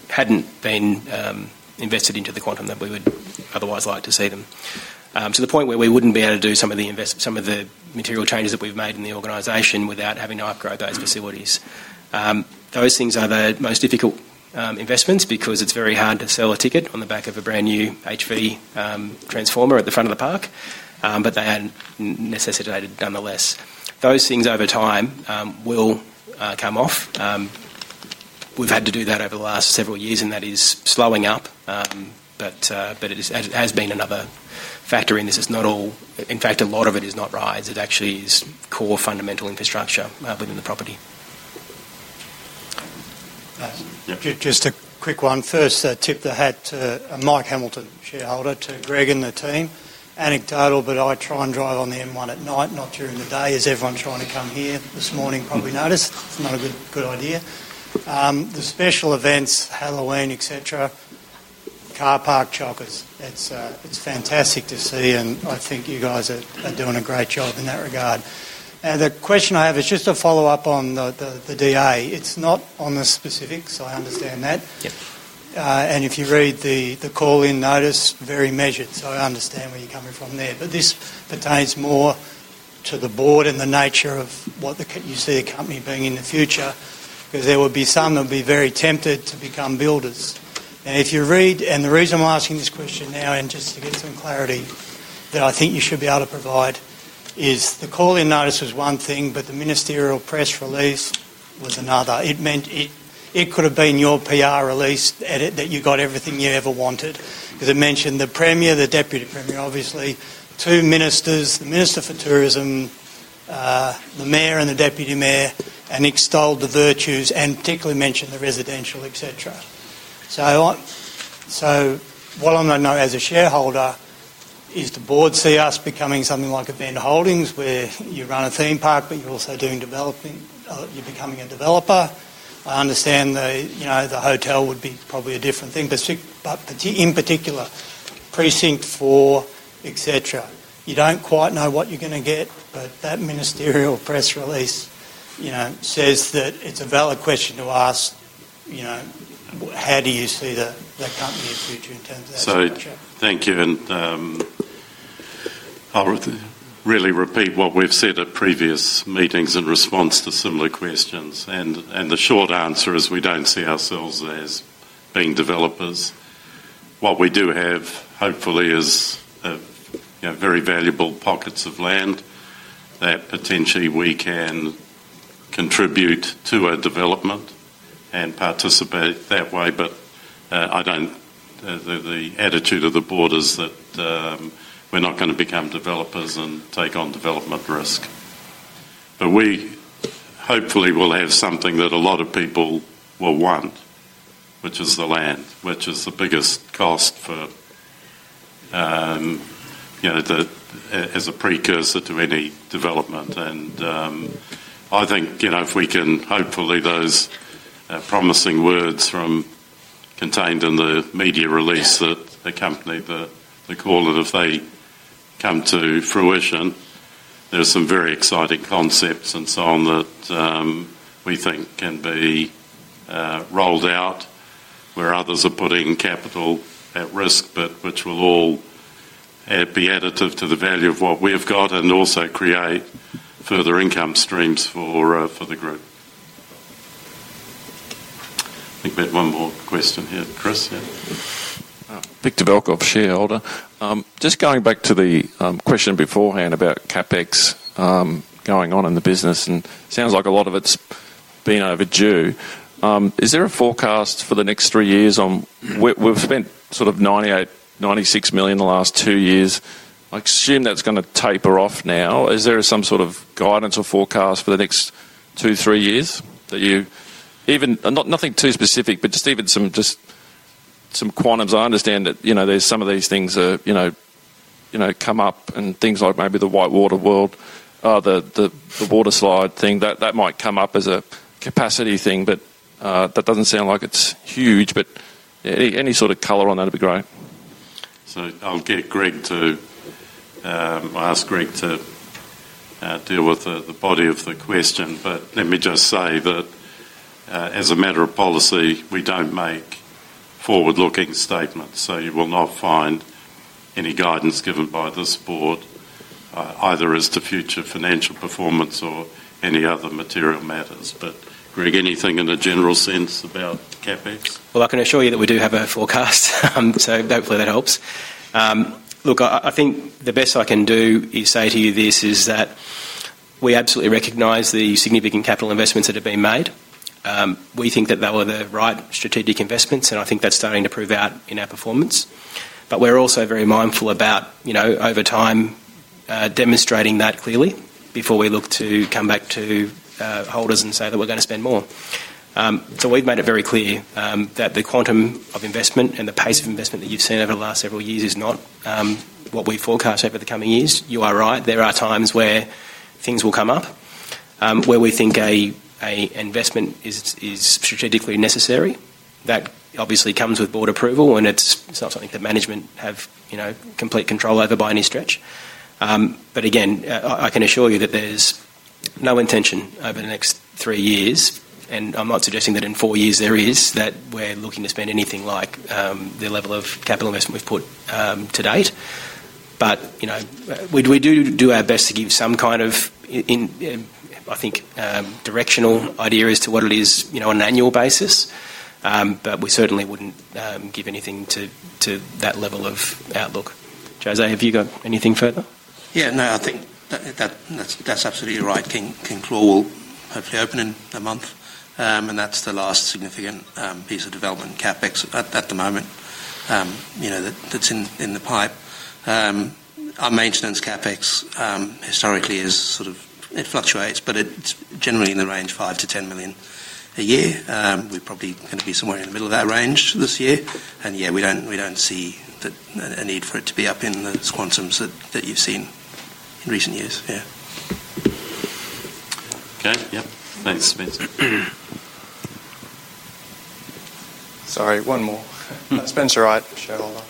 D: hadn't been invested into the quantum that we would otherwise like to see them. To the point where we wouldn't be able to do some of the material changes that we've made in the organization without having to upgrade those facilities. Those things are the most difficult investments because it's very hard to sell a ticket on the back of a brand new HV transformer at the front of the park, but they are necessitated nonetheless. Those things, over time, will come off. We've had to do that over the last several years, and that is slowing up. It has been another factor in this. In fact, a lot of it is not rides. It actually is core fundamental infrastructure within the property.
I: Just a quick one. First tip that I had to Mike Hamilton, shareholder, to Greg and the team. Anecdotal, but I try and drive on the M1 at night, not during the day, as everyone's trying to come here this morning, probably noticed. It's not a good idea. The special events, Halloween, etc. car park chockers. It's fantastic to see, and I think you guys are doing a great job in that regard. The question I have is just to follow up on the DA. It's not on the specifics, so I understand that. If you read the call-in notice, very measured, so I understand where you're coming from there. This pertains more to the board and the nature of what you see a company bringing in the future because there will be some that will be very tempted to become builders. If you read—and the reason I'm asking this question now, and just to get some clarity, that I think you should be able to provide, is the call-in notice was one thing, but the ministerial press release was another. It could have been your PR release that you got everything you ever wanted because it mentioned the Premier, the Deputy Premier, obviously, two ministers, the Minister for Tourism, the Mayor, and the Deputy Mayor, and extolled the virtues, and particularly mentioned the residential, etc. What I want to know as a shareholder is the board see us becoming something like a Bend Holdings where you run a theme park, but you're also doing development, you're becoming a developer? I understand the hotel would be probably a different thing, but in particular, precinct four, etc. You don't quite know what you're going to get, but that ministerial press release. Says that it's a valid question to ask. How do you see the company's future in terms of that structure?
B: Thank you. I'll really repeat what we've said at previous meetings in response to similar questions. The short answer is we don't see ourselves as being developers. What we do have, hopefully, is very valuable pockets of land that potentially we can contribute to our development and participate that way. The attitude of the board is that we're not going to become developers and take on development risk. We hopefully will have something that a lot of people will want, which is the land, which is the biggest cost as a precursor to any development. I think if we can, hopefully those promising words contained in the media release that accompanied the call, if they come to fruition, there are some very exciting concepts and so on that we think can be rolled out. Where others are putting capital at risk, but which will all be additive to the value of what we've got and also create further income streams for the group. I think we had one more question here. Chris, yeah.
J: Victor Belkov, shareholder. Just going back to the question beforehand about CapEx. Going on in the business, and it sounds like a lot of it's been overdue. Is there a forecast for the next three years on? We've spent sort of $98 million, $96 million in the last two years. I assume that's going to taper off now. Is there some sort of guidance or forecast for the next two, three years? Nothing too specific, but just even some quantums. I understand that there's some of these things that come up and things like maybe the WhiteWater World, the water slide thing, that might come up as a capacity thing, but that doesn't sound like it's huge. Any sort of color on that would be great.
B: I'll get Greg to ask Greg to deal with the body of the question. Let me just say that as a matter of policy, we don't make forward-looking statements. You will not find any guidance given by this board, either as to future financial performance or any other material matters. Greg, anything in a general sense about CapEx?
D: I can assure you that we do have a forecast. Hopefully that helps. Look, I think the best I can do is say to you this is that we absolutely recognize the significant capital investments that have been made. We think that they were the right strategic investments, and I think that's starting to prove out in our performance. We are also very mindful about, over time, demonstrating that clearly before we look to come back to holders and say that we're going to spend more. We have made it very clear that the quantum of investment and the pace of investment that you've seen over the last several years is not what we forecast over the coming years. You are right. There are times where things will come up where we think an investment is strategically necessary. That obviously comes with board approval, and it's not something that management have complete control over by any stretch. But again I can assure you that there's no intention over the next three years. I'm not suggesting that in four years there is, that we're looking to spend anything like the level of capital investment we've put to date. We do do our best to give some kind of, I think, directional idea as to what it is on an annual basis. We certainly wouldn't give anything to that level of outlook. José, have you got anything further?
F: Yeah, no, I think. That's absolutely right. King Claw will hopefully open in a month. That's the last significant piece of development, CapEx, at the moment. That's in the pipe. Our maintenance CapEx, historically, is sort of it fluctuates, but it's generally in the range of $5 million-$10 million a year. We're probably going to be somewhere in the middle of that range this year. Yeah, we don't see a need for it to be up in the quantums that you've seen in recent years. Yeah.
D: Okay. Yep. Thanks, Spencer.
E: Sorry, one more. Spencer Wright, shareholder.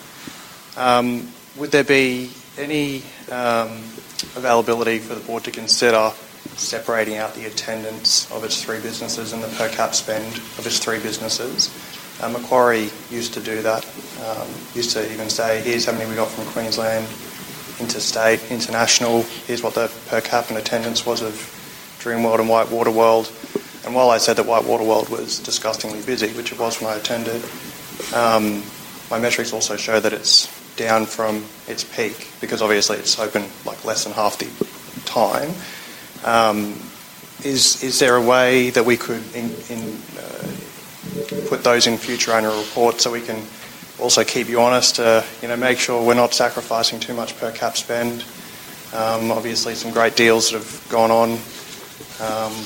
E: Would there be any availability for the board to consider separating out the attendance of its three businesses and the per-cap spend of its three businesses? Macquarie used to do that. Used to even say, "Here's how many we got from Queensland. Interstate, international. Here's what the per-cap and attendance was of Dreamworld and WhiteWater World." While I said that WhiteWater World was disgustingly busy, which it was when I attended, my metrics also show that it's down from its peak because obviously it's open less than half the time. Is there a way that we could put those in future owner reports so we can also keep you honest to make sure we're not sacrificing too much per-cap spend? Obviously, some great deals that have gone on.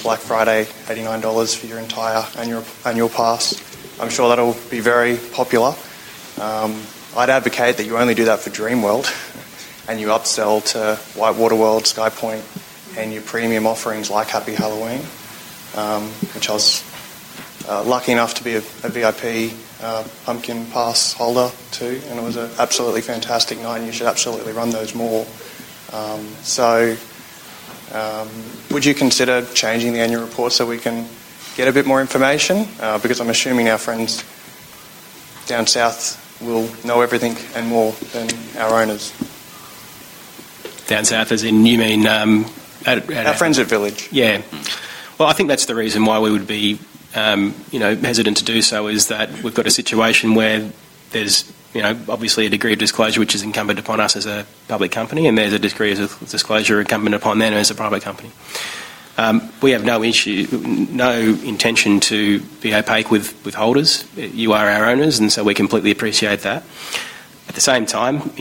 E: Black Friday, $89 for your entire annual pass. I'm sure that'll be very popular. I'd advocate that you only do that for Dreamworld and you upsell to WhiteWater World, SkyPoint, and your premium offerings like Happy Halloween. Which I was lucky enough to be a VIP pumpkin pass holder too, and it was an absolutely fantastic night, and you should absolutely run those more. Would you consider changing the annual report so we can get a bit more information? Because I'm assuming our friends down South will know everything and more than our owners.
D: Down South as in you mean?
E: Our friends at Village.
D: Yeah. I think that's the reason why we would be hesitant to do so is that we've got a situation where there's obviously a degree of disclosure which is incumbent upon us as a public company, and there's a degree of disclosure incumbent upon them as a private company. We have no intention to be opaque with holders. You are our owners, and so we completely appreciate that. At the same time,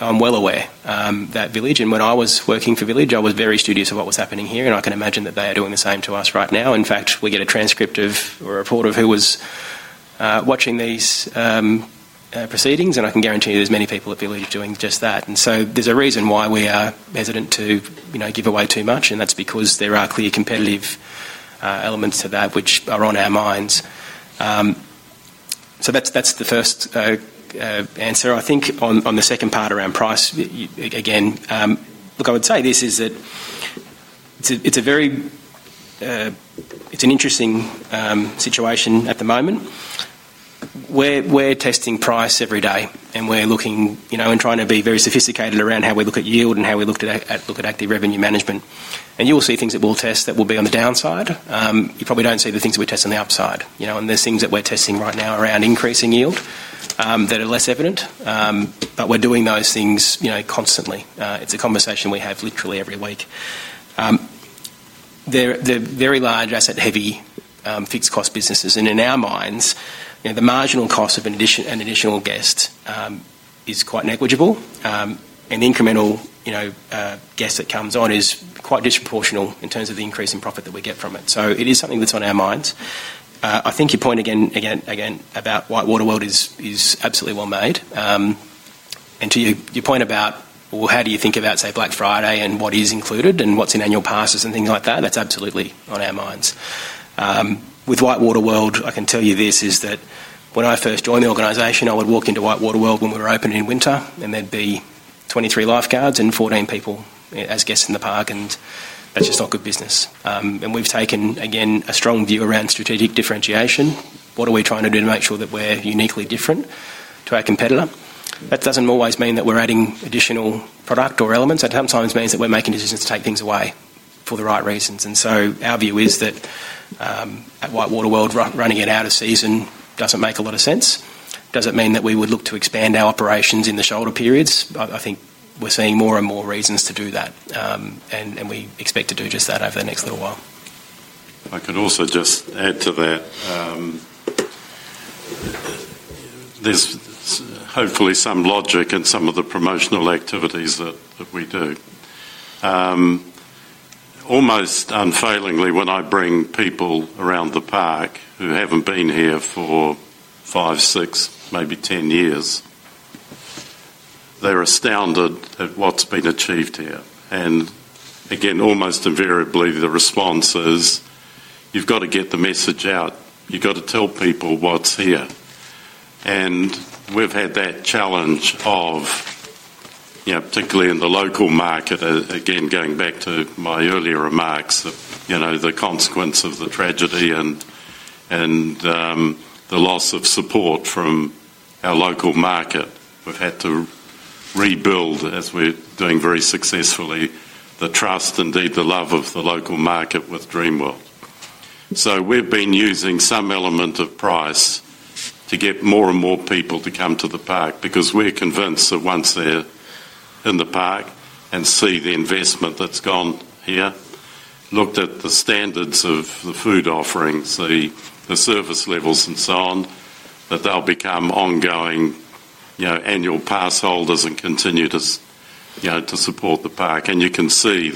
D: I'm well aware that Village, and when I was working for Village, I was very studious of what was happening here, and I can imagine that they are doing the same to us right now. In fact, we get a transcript of or a report of who was watching these proceedings, and I can guarantee you there's many people at Village doing just that. There is a reason why we are hesitant to give away too much, and that is because there are clear competitive elements to that which are on our minds. That is the first answer. I think on the second part around price, again, look, I would say this is that it is a very interesting situation at the moment. We are testing price every day, and we are looking and trying to be very sophisticated around how we look at yield and how we look at active revenue management. You will see things that we will test that will be on the downside. You probably do not see the things that we test on the upside. There are things that we are testing right now around increasing yield that are less evident, but we are doing those things constantly. It is a conversation we have literally every week. They are very large asset-heavy fixed-cost businesses. In our minds, the marginal cost of an additional guest is quite negligible. The incremental guest that comes on is quite disproportional in terms of the increase in profit that we get from it. It is something that's on our minds. I think your point again about WhiteWater World is absolutely well made. To your point about, how do you think about, say, Black Friday and what is included and what's in annual passes and things like that, that's absolutely on our minds. With WhiteWater World, I can tell you this is that when I first joined the organization, I would walk into WhiteWater World when we were opening in winter, and there would be 23 lifeguards and 14 people as guests in the park, and that's just not good business. We've taken, again, a strong view around strategic differentiation. What are we trying to do to make sure that we're uniquely different to our competitor? That does not always mean that we're adding additional product or elements. It sometimes means that we're making decisions to take things away for the right reasons. Our view is that at WhiteWater World, running it out of season does not make a lot of sense. Does it mean that we would look to expand our operations in the shoulder periods? I think we're seeing more and more reasons to do that. We expect to do just that over the next little while.
B: I could also just add to that. There's hopefully some logic in some of the promotional activities that we do. Almost unfailingly, when I bring people around the park who haven't been here for five, six, maybe ten years, they're astounded at what's been achieved here. Again, almost invariably, the response is, you've got to get the message out. You've got to tell people what's here. We've had that challenge of, particularly in the local market, again, going back to my earlier remarks, the consequence of the tragedy and the loss of support from our local market. We've had to rebuild, as we're doing very successfully, the trust, indeed the love of the local market with Dreamworld. We have been using some element of price to get more and more people to come to the park because we are convinced that once they are in the park and see the investment that has gone here, looked at the standards of the food offerings, the service levels, and so on, that they will become ongoing annual pass holders and continue to support the park. You can see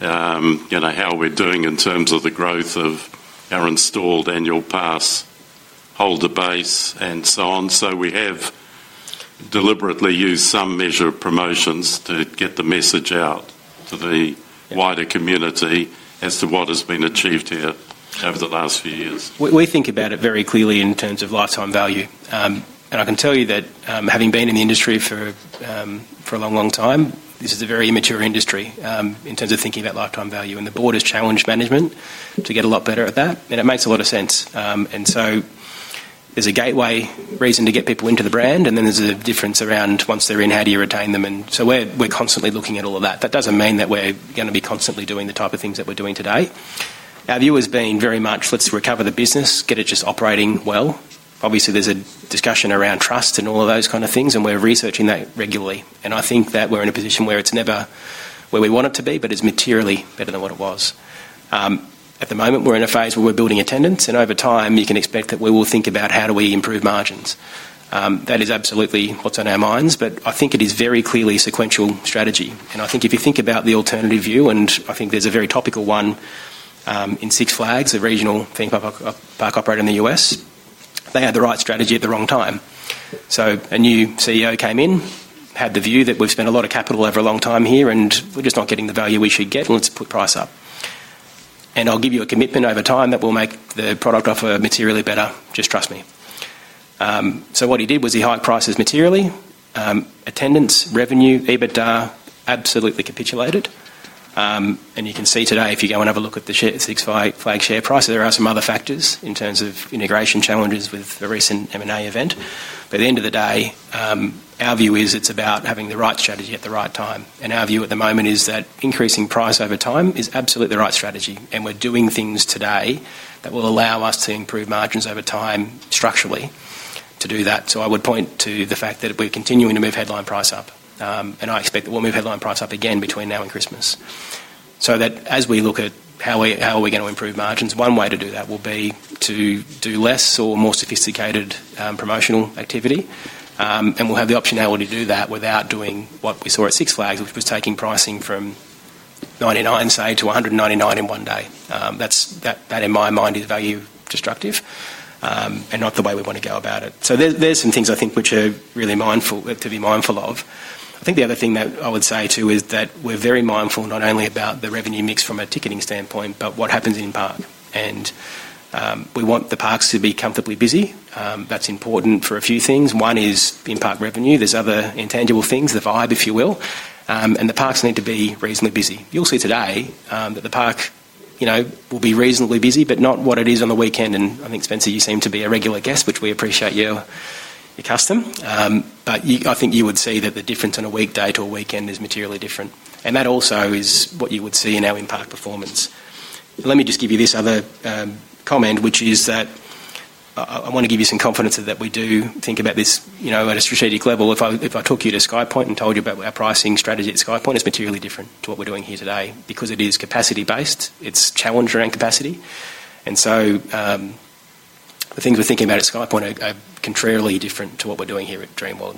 B: how we are doing in terms of the growth of our installed annual pass holder base and so on. We have deliberately used some measure of promotions to get the message out to the wider community as to what has been achieved here over the last few years.
D: We think about it very clearly in terms of lifetime value. I can tell you that having been in the industry for a long, long time, this is a very immature industry in terms of thinking about lifetime value. The board has challenged management to get a lot better at that. It makes a lot of sense. There is a gateway reason to get people into the brand, and then there is a difference around once they are in, how do you retain them. We are constantly looking at all of that. That does not mean that we are going to be constantly doing the type of things that we are doing today. Our view has been very much, let's recover the business, get it just operating well. Obviously, there is a discussion around trust and all of those kind of things, and we are researching that regularly. I think that we're in a position where it's never where we want it to be, but it's materially better than what it was. At the moment, we're in a phase where we're building attendance, and over time, you can expect that we will think about how do we improve margins. That is absolutely what's on our minds. I think it is very clearly a sequential strategy. If you think about the alternative view, I think there's a very topical one. In Six Flags, a regional theme park operator in the U.S., they had the right strategy at the wrong time. A new CEO came in, had the view that we've spent a lot of capital over a long time here, and we're just not getting the value we should get, and let's put price up. I'll give you a commitment over time that will make the product offer materially better. Just trust me. What he did was he hiked prices materially. Attendance, revenue, EBITDA, absolutely capitulated. You can see today, if you go and have a look at the Six Flags share price, there are some other factors in terms of integration challenges with the recent M&A event. At the end of the day, our view is it's about having the right strategy at the right time. Our view at the moment is that increasing price over time is absolutely the right strategy. We're doing things today that will allow us to improve margins over time structurally to do that. I would point to the fact that we're continuing to move headline price up. I expect that we'll move headline price up again between now and Christmas. As we look at how are we going to improve margins, one way to do that will be to do less or more sophisticated promotional activity. We'll have the optionality to do that without doing what we saw at Six Flags, which was taking pricing from $99, say, to $199 in one day. That, in my mind, is value destructive and not the way we want to go about it. There are some things I think which are really to be mindful of. I think the other thing that I would say too is that we're very mindful not only about the revenue mix from a ticketing standpoint, but what happens in park. We want the parks to be comfortably busy. That's important for a few things. One is in-park revenue. There are other intangible things, the vibe, if you will. The parks need to be reasonably busy. You'll see today that the park will be reasonably busy, but not what it is on the weekend. I think, Spencer, you seem to be a regular guest, which we appreciate your custom. I think you would see that the difference on a weekday to a weekend is materially different. That also is what you would see in our in-park performance. Let me just give you this other comment, which is that I want to give you some confidence that we do think about this at a strategic level. If I took you to SkyPoint and told you about our pricing strategy at SkyPoint, it's materially different to what we're doing here today because it is capacity-based. It's challenging around capacity. The things we're thinking about at SkyPoint are contrarily different to what we're doing here at Dreamworld.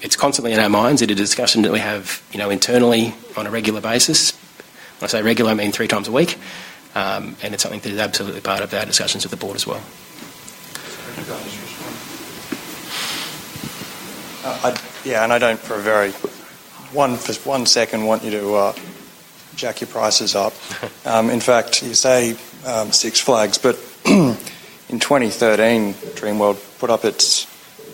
D: It is constantly in our minds. It is a discussion that we have internally on a regular basis. When I say regular, I mean 3x a week. It is something that is absolutely part of our discussions with the Board as well.
E: Yeah, and I don't for one second want you to. Jack your prices up. In fact, you say Six Flags, but in 2013, Dreamworld put up its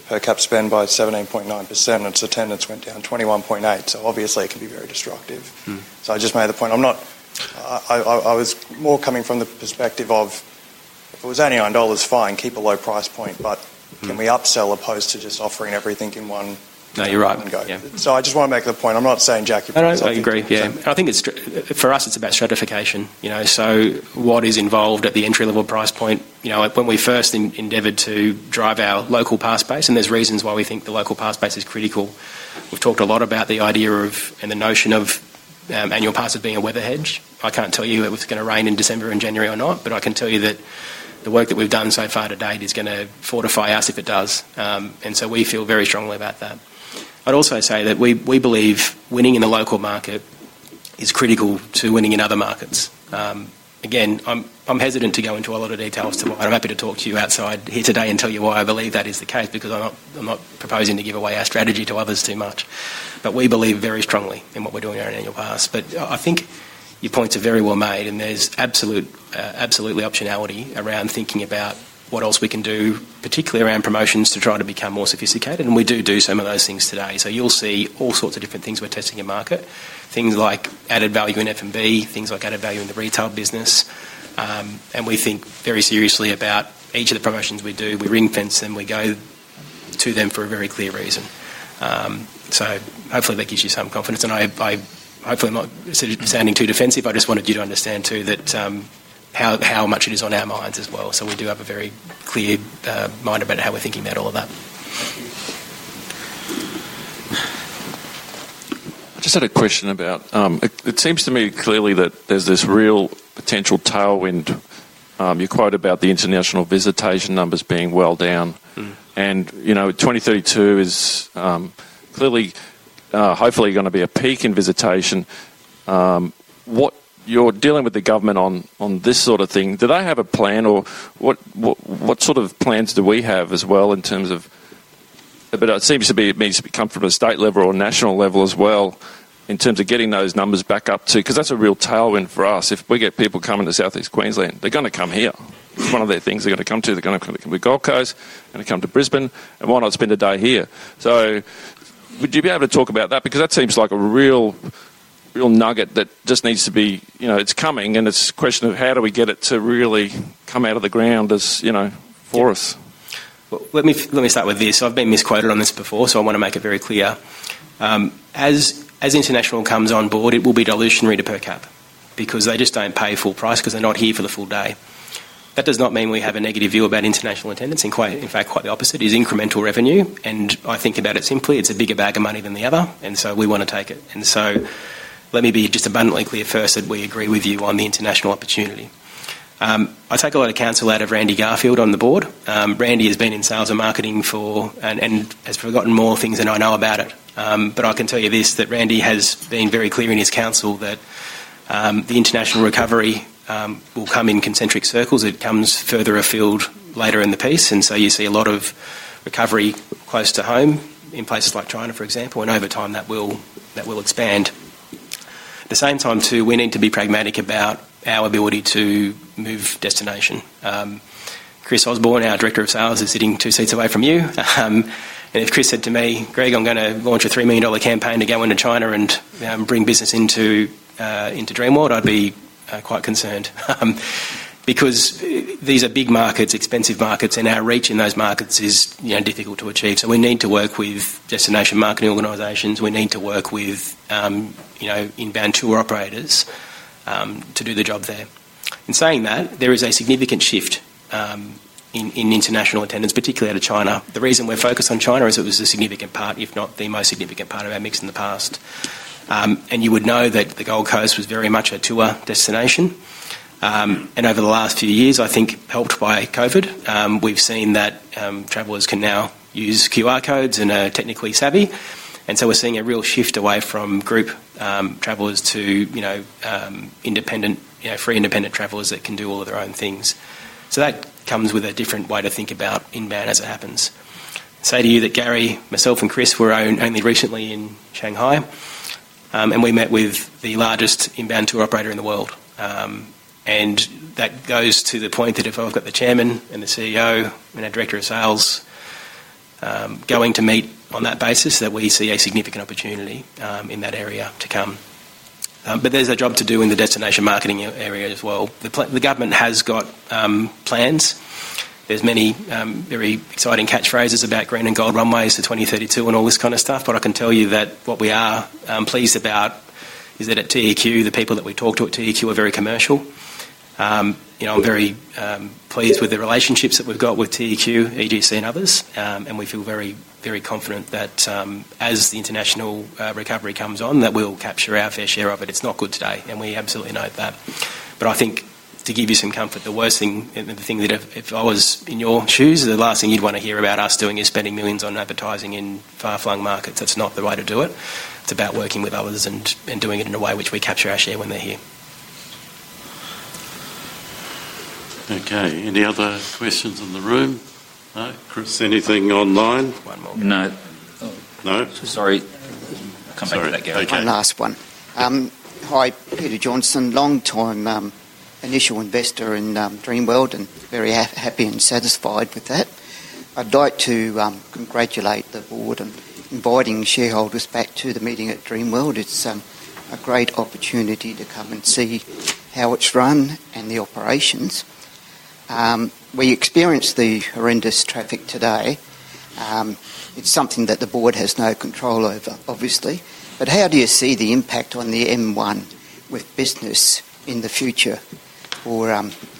E: per-cap spend by 17.9%, and its attendance went down 21.8%. Obviously, it can be very destructive. I just made the point. I was more coming from the perspective of if it was $89, fine, keep a low price point, but can we upsell opposed to just offering everything in one?
D: No, you're right.
E: I just want to make the point. I'm not saying jack your price up.
D: No, I agree. Yeah. I think for us, it's about stratification. So what is involved at the entry-level price point? When we first endeavored to drive our local pass space, and there's reasons why we think the local pass space is critical. We've talked a lot about the idea of and the notion of. Annual passes being a weather hedge. I can't tell you if it's going to rain in December and January or not, but I can tell you that the work that we've done so far to date is going to fortify us if it does. We feel very strongly about that. I'd also say that we believe winning in the local market is critical to winning in other markets. Again, I'm hesitant to go into a lot of details to why. I'm happy to talk to you outside here today and tell you why I believe that is the case because I'm not proposing to give away our strategy to others too much. We believe very strongly in what we're doing around annual pass. I think your points are very well made, and there's absolutely optionality around thinking about what else we can do, particularly around promotions to try to become more sophisticated. We do do some of those things today. You'll see all sorts of different things we're testing in market, things like added value in F&B, things like added value in the retail business. We think very seriously about each of the promotions we do. We ring-fence them. We go to them for a very clear reason. Hopefully, that gives you some confidence. Hopefully, I'm not sounding too defensive. I just wanted you to understand too that it is on our minds as well. We do have a very clear mind about how we're thinking about all of that.
J: I just had a question about. It seems to me clearly that there's this real potential tailwind. You quote about the international visitation numbers being well down. And 2032 is. Clearly. Hopefully going to be a peak in visitation. What you're dealing with the government on this sort of thing, do they have a plan? Or what sort of plans do we have as well in terms of. But it seems to be it needs to be come from a state level or national level as well in terms of getting those numbers back up to because that's a real tailwind for us. If we get people coming to Southeast Queensland, they're going to come here. One of the things they're going to come to, they're going to come to Gold Coast, they're going to come to Brisbane, and why not spend a day here? So. Would you be able to talk about that? Because that seems like a real nugget that just needs to be, it's coming, and it's a question of how do we get it to really come out of the ground for us.
D: Let me start with this. I've been misquoted on this before, so I want to make it very clear. As international comes on board, it will be dilutionary to per cap because they just do not pay full price because they're not here for the full day. That does not mean we have a negative view about international attendance. In fact, quite the opposite, it is incremental revenue. I think about it simply, it's a bigger bag of money than the other, and we want to take it. Let me be just abundantly clear first that we agree with you on the international opportunity. I take a lot of counsel out of Randy Garfield on the board. Randy has been in sales and marketing for and has forgotten more things than I know about it. I can tell you this, that Randy has been very clear in his counsel that the international recovery will come in concentric circles. It comes further afield later in the piece. You see a lot of recovery close to home in places like China, for example, and over time that will expand. At the same time, we need to be pragmatic about our ability to move destination. Chris Osborne, our Director of Sales, is sitting two seats away from you. If Chris said to me, "Greg, I'm going to launch a $3 million campaign to go into China and bring business into Dreamworld," I'd be quite concerned. These are big markets, expensive markets, and our reach in those markets is difficult to achieve. We need to work with destination marketing organizations. We need to work with inbound tour operators. To do the job there. In saying that, there is a significant shift in international attendance, particularly out of China. The reason we're focused on China is it was a significant part, if not the most significant part of our mix in the past. You would know that the Gold Coast was very much a tour destination. Over the last few years, I think helped by COVID, we've seen that travelers can now use QR codes and are technically savvy. We're seeing a real shift away from group travelers to independent, free independent travelers that can do all of their own things. That comes with a different way to think about inbound as it happens. I can say to you that Gary, myself, and Chris were only recently in Shanghai, and we met with the largest inbound tour operator in the world. That goes to the point that if I've got the Chairman and the CEO and our Director of Sales going to meet on that basis, we see a significant opportunity in that area to come. There is a job to do in the destination marketing area as well. The government has got plans. There are many very exciting catchphrases about green and gold runways to 2032 and all this kind of stuff. I can tell you that what we are pleased about is that at TEQ, the people that we talk to at TEQ are very commercial. I'm very pleased with the relationships that we've got with TEQ, EDC, and others. We feel very, very confident that as the international recovery comes on, we'll capture our fair share of it. It's not good today, and we absolutely know that. I think to give you some comfort, the worst thing, the thing that if I was in your shoes, the last thing you'd want to hear about us doing is spending millions on advertising in far-flung markets. That's not the way to do it. It's about working with others and doing it in a way which we capture our share when they're here.
B: Okay. Any other questions in the room? Chris, anything online?
C: One more.
B: No.
C: No? Sorry.
K: Last one. Hi, Peter Johnson, long-time. Initial investor in Dreamworld and very happy and satisfied with that. I'd like to congratulate the board on inviting shareholders back to the meeting at Dreamworld. It's a great opportunity to come and see how it's run and the operations. We experienced the horrendous traffic today. It's something that the board has no control over, obviously. How do you see the impact on the M1 with business in the future for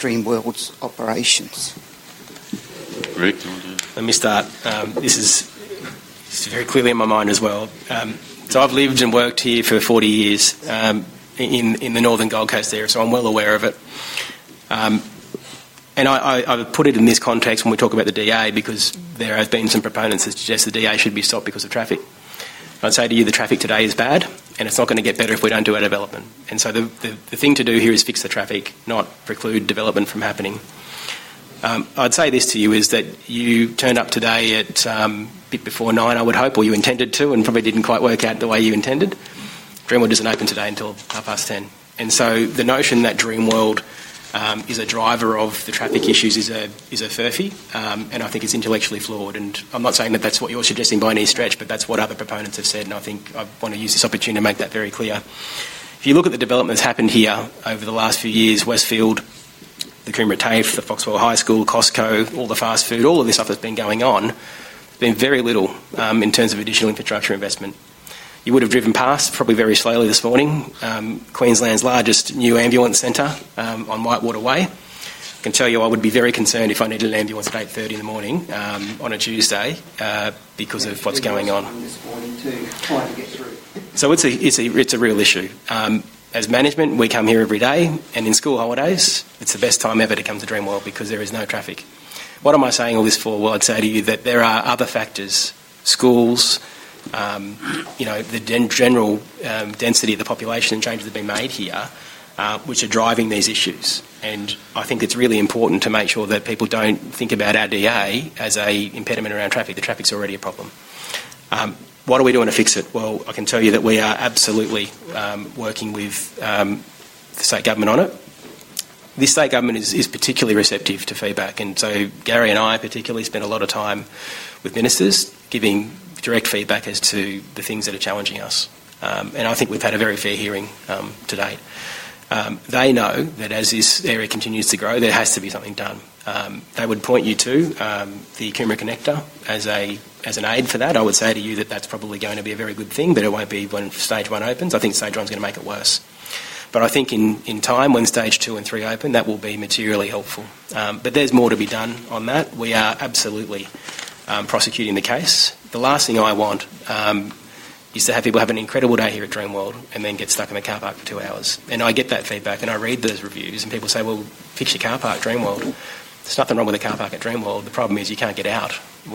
K: Dreamworld's operations?
B: Greg.
D: Let me start. This is very clearly in my mind as well. I have lived and worked here for 40 years in the Northern Gold Coast area, so I am well aware of it. I would put it in this context when we talk about the DA because there have been some proponents that suggest the DA should be stopped because of traffic. I would say to you, the traffic today is bad, and it is not going to get better if we do not do our development. The thing to do here is fix the traffic, not preclude development from happening. I would say this to you, that you turned up today at a bit before 9:00 A.M., I would hope, or you intended to, and probably did not quite work out the way you intended. Dreamworld is not open today until past 10:00. So the notion that Dreamworld is a driver of the traffic issues is a furphy, and I think it's intellectually flawed. I'm not saying that that's what you're suggesting by any stretch, but that's what other proponents have said, and I want to use this opportunity to make that very clear. If you look at the developments that have happened here over the last few years—Westfield, the Creamery, TAFE, the Foxwell High School, Costco, all the fast food, all of this stuff has been going on. There's been very little in terms of additional infrastructure investment. You would have driven past, probably very slowly this morning, Queensland's largest new ambulance center on WhiteWater World. I can tell you I would be very concerned if I needed an ambulance at 8:30 in the Morning on a Tuesday because of what's going on.
K: This morning too, trying to get through.
D: It is a real issue. As management, we come here every day, and in school holidays, it is the best time ever to come to Dreamworld because there is no traffic. What am I saying all this for? I would say to you that there are other factors, schools. The general density of the population and changes that have been made here, which are driving these issues. I think it is really important to make sure that people do not think about our DA as an impediment around traffic. The traffic is already a problem. What are we doing to fix it? I can tell you that we are absolutely working with the state government on it. The state government is particularly receptive to feedback. Gary and I particularly spend a lot of time with ministers giving direct feedback as to the things that are challenging us. I think we've had a very fair hearing to date. They know that as this area continues to grow, there has to be something done. They would point you to the Creamery Connector as an aid for that. I would say to you that that's probably going to be a very good thing, but it won't be when stage one opens. I think stage one's going to make it worse. But I think in time, when stage two and three open, that will be materially helpful. There is more to be done on that. We are absolutely prosecuting the case. The last thing I want is to have people have an incredible day here at Dreamworld and then get stuck in the car park for two hours. I get that feedback, and I read those reviews, and people say, "Fix your car park at Dreamworld." There is nothing wrong with the car park at Dreamworld. The problem is you cannot get out.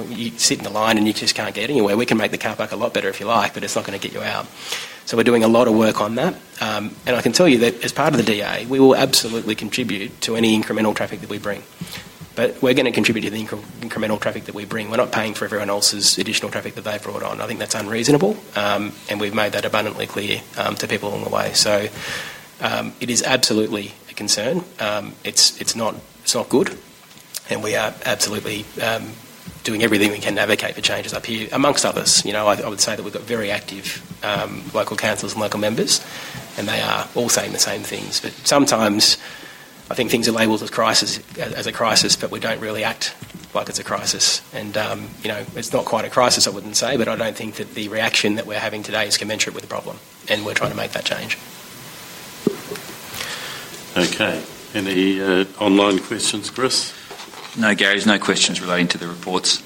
D: You sit in the line and you just cannot get anywhere. We can make the car park a lot better if you like, but it is not going to get you out. We are doing a lot of work on that. I can tell you that as part of the DA, we will absolutely contribute to any incremental traffic that we bring. We are going to contribute to the incremental traffic that we bring. We are not paying for everyone else's additional traffic that they have brought on. I think that is unreasonable, and we have made that abundantly clear to people along the way. It is absolutely a concern. It is not good, and we are absolutely. Doing everything we can to advocate for changes up here. Amongst others, I would say that we've got very active local councils and local members, and they are all saying the same things. Sometimes, I think things are labeled as a crisis, but we don't really act like it's a crisis. It's not quite a crisis, I wouldn't say, but I don't think that the reaction that we're having today is commensurate with the problem, and we're trying to make that change.
B: Okay. Any online questions, Chris?
C: No, Gary, there's no questions relating to the reports.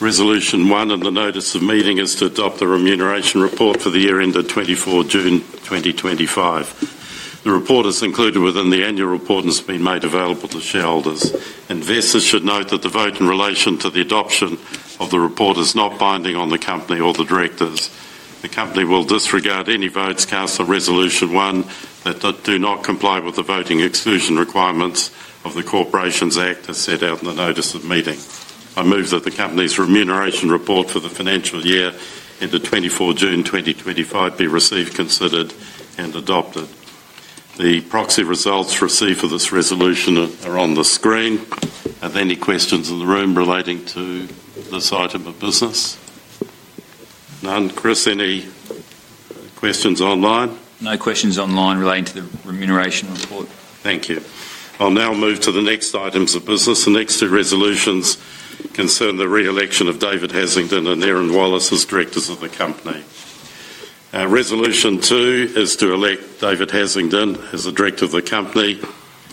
B: Resolution 1 and the Notice of Meeting is to adopt the remuneration report for the year ended 24 June 2025. The report is included within the annual report and has been made available to shareholders. Investors should note that the vote in relation to the adoption of the report is not binding on the company or the directors. The company will disregard any votes cast for Resolution 1 that do not comply with the voting exclusion requirements of the Corporations Act as set out in the Notice of Meeting. I move that the company's remuneration report for the financial year ended 24 June 2025 be received, considered, and adopted. The proxy results received for this resolution are on the screen. Are there any questions in the room relating to this item of business? None. Chris, any questions online?
C: No questions online relating to the remuneration report.
B: Thank you. I'll now move to the next items of business. The next two resolutions concern the re-election of David Haslingden and Erin Wallace as directors of the company. Resolution 2 is to elect David Haslingden as the Director of the company.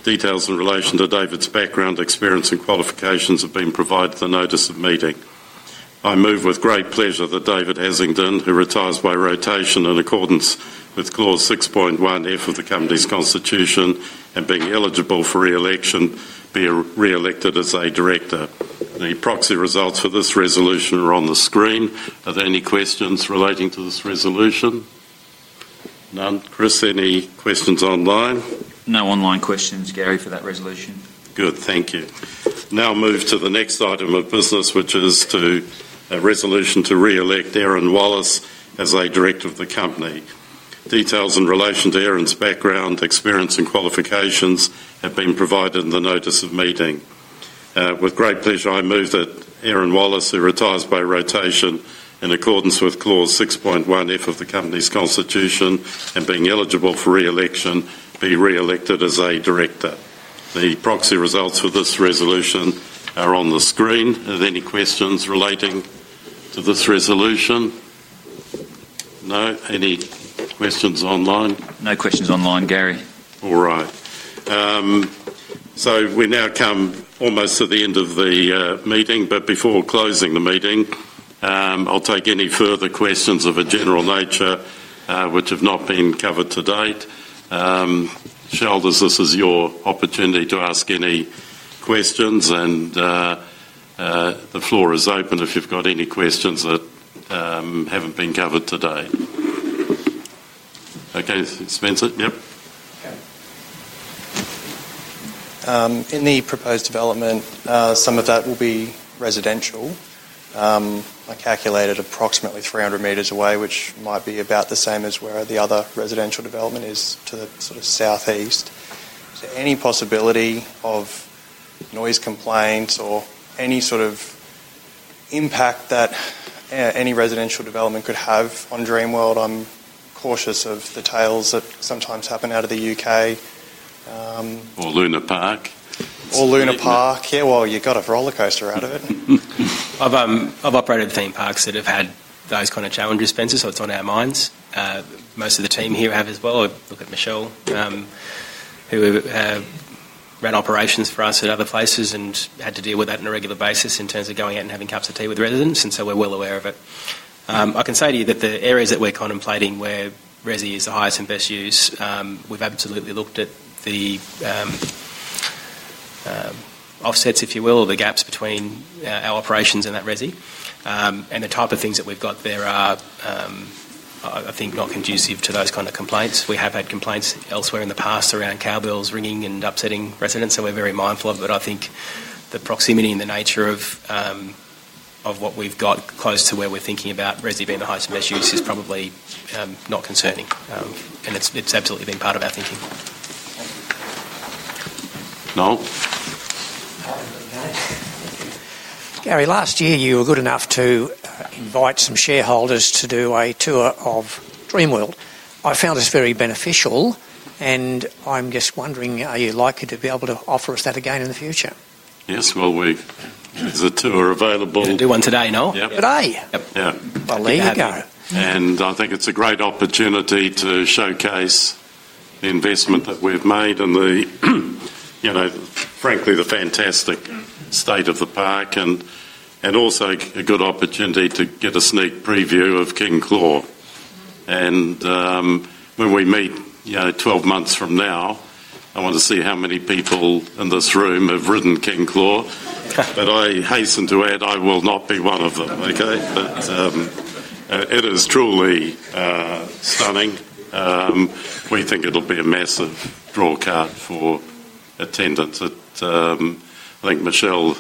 B: Details in relation to David's background, experience, and qualifications have been provided in the Notice of Meeting. I move with great pleasure that David Haslingden, who retires by rotation in accordance with clause 6.1F of the company's constitution and being eligible for re-election, be re-elected as a director. The proxy results for this resolution are on the screen. Are there any questions relating to this resolution? None. Chris, any questions online?
C: No online questions, Gary, for that resolution.
B: Good. Thank you. Now I'll move to the next item of business, which is to. A resolution to re-elect Erin Wallace as a Director of the company. Details in relation to Erin's background, experience, and qualifications have been provided in the Notice of Meeting. With great pleasure, I move that Erin Wallace, who retires by rotation in accordance with clause 6.1F of the company's constitution and being eligible for re-election, be re-elected as a director. The proxy results for this resolution are on the screen. Are there any questions relating to this resolution? No? Any questions online?
C: No questions online, Gary.
B: All right. So we now come almost to the end of the meeting, but before closing the meeting, I'll take any further questions of a general nature which have not been covered to date. Shareholders, this is your opportunity to ask any questions, and the floor is open if you've got any questions that haven't been covered to date. Okay, Spencer? Yep.
E: In the proposed development, some of that will be residential. I calculated approximately 300 meters away, which might be about the same as where the other residential development is to the sort of Southeast. Any possibility of noise complaints or any sort of impact that any residential development could have on Dreamworld, I'm cautious of the tales that sometimes happen out of the U.K.
B: Or Luna Park.
E: Or Luna Park. Yeah, you got a roller coaster out of it.
D: I've operated theme parks that have had those kind of challenges, Spencer, so it's on our minds. Most of the team here have as well. I look at Michelle, who ran operations for us at other places and had to deal with that on a regular basis in terms of going out and having cups of tea with residents, and so we're well aware of it. I can say to you that the areas that we're contemplating where resi is the highest and best use, we've absolutely looked at the offsets, if you will, or the gaps between our operations and that resi. And the type of things that we've got there are, I think, not conducive to those kind of complaints. We have had complaints elsewhere in the past around cowbells ringing and upsetting residents, so we're very mindful of it. I think the proximity and the nature of what we've got close to where we're thinking about resi being the highest and best use is probably not concerning. It has absolutely been part of our thinking.
B: Noel?
G: Gary, last year, you were good enough to invite some shareholders to do a tour of Dreamworld. I found this very beneficial, and I'm just wondering, are you likely to be able to offer us that again in the future?
B: Yes. There is a tour available.
D: You can do one today, Noel?
B: And I think it's a great opportunity to showcase the investment that we've made and, frankly, the fantastic state of the park and also a good opportunity to get a sneak preview of King Claw. And when we meet 12 months from now, I want to see how many people in this room have ridden King Claw. I hasten to add, I will not be one of them, okay? It is truly stunning. We think it'll be a massive draw card for attendance. I think Michelle, where's Michelle? Yeah. I think Michelle,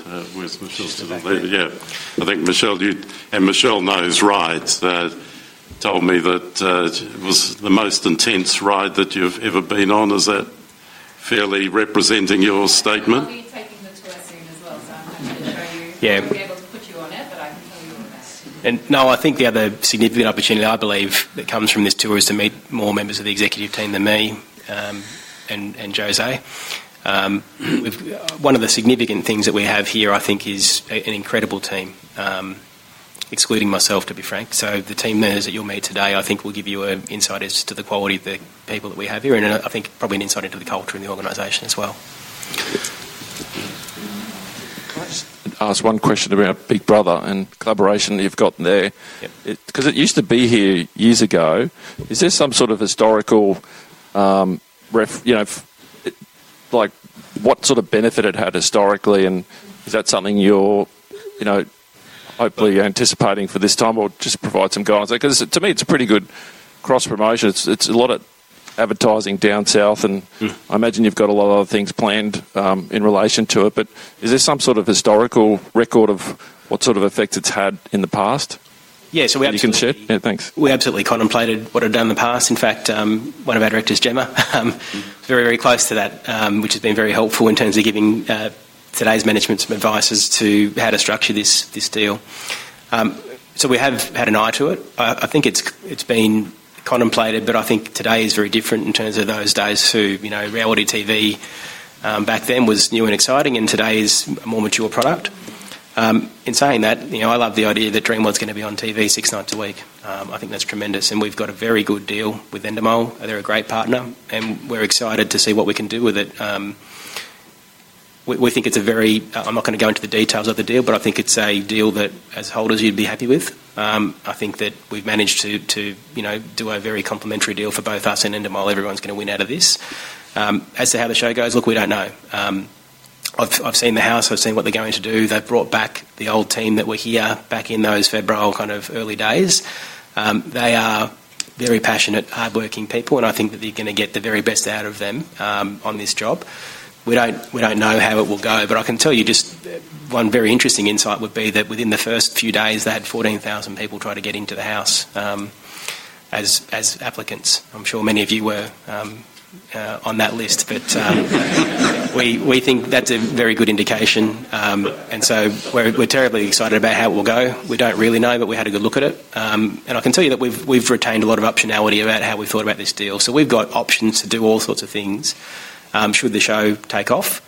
B: and Michelle knows rides, told me that it was the most intense ride that you've ever been on. Is that fairly representing your statement?
D: No, I think the other significant opportunity I believe that comes from this tour is to meet more members of the executive team than me and José. One of the significant things that we have here, I think, is an incredible team, excluding myself, to be frank. The team members that you'll meet today, I think, will give you insight as to the quality of the people that we have here, and I think probably an insight into the culture in the organization as well.
J: Can I just ask one question about Big Brother and collaboration that you've got there? Because it used to be here years ago. Is there some sort of historical—like what sort of benefit it had historically, and is that something you're hopefully anticipating for this time or just provide some guidance? Because to me, it's a pretty good cross-promotion. It's a lot of advertising down south, and I imagine you've got a lot of other things planned in relation to it. Is there some sort of historical record of what sort of effect it's had in the past?
D: Yeah. So we absolutely.
J: You can share? Yeah, thanks.
D: We absolutely contemplated what it had done in the past. In fact, one of our directors, Jemma, is very, very close to that, which has been very helpful in terms of giving today's management some advice as to how to structure this deal. We have had an eye to it. I think it's been contemplated, but I think today is very different in terms of those days when reality TV back then was new and exciting, and today is a more mature product. In saying that, I love the idea that Dreamworld's going to be on TV six nights a week. I think that's tremendous. We have a very good deal with Endemol. They're a great partner, and we're excited to see what we can do with it. We think it's a very—I'm not going to go into the details of the deal, but I think it's a deal that, as holders, you'd be happy with. I think that we've managed to do a very complimentary deal for both us and Endemol. Everyone's going to win out of this. As to how the show goes, look, we don't know. I've seen the house. I've seen what they're going to do. They've brought back the old team that were here back in those febrile kind of early days. They are very passionate, hardworking people, and I think that they're going to get the very best out of them on this job. We don't know how it will go, but I can tell you just one very interesting insight would be that within the first few days, they had 14,000 people try to get into the house as applicants. I'm sure many of you were on that list, but we think that's a very good indication. And so we are terribly excited about how it will go. We don't really know, but we had a good look at it. I can tell you that we've retained a lot of optionality about how we thought about this deal. We've got options to do all sorts of things should the show take off.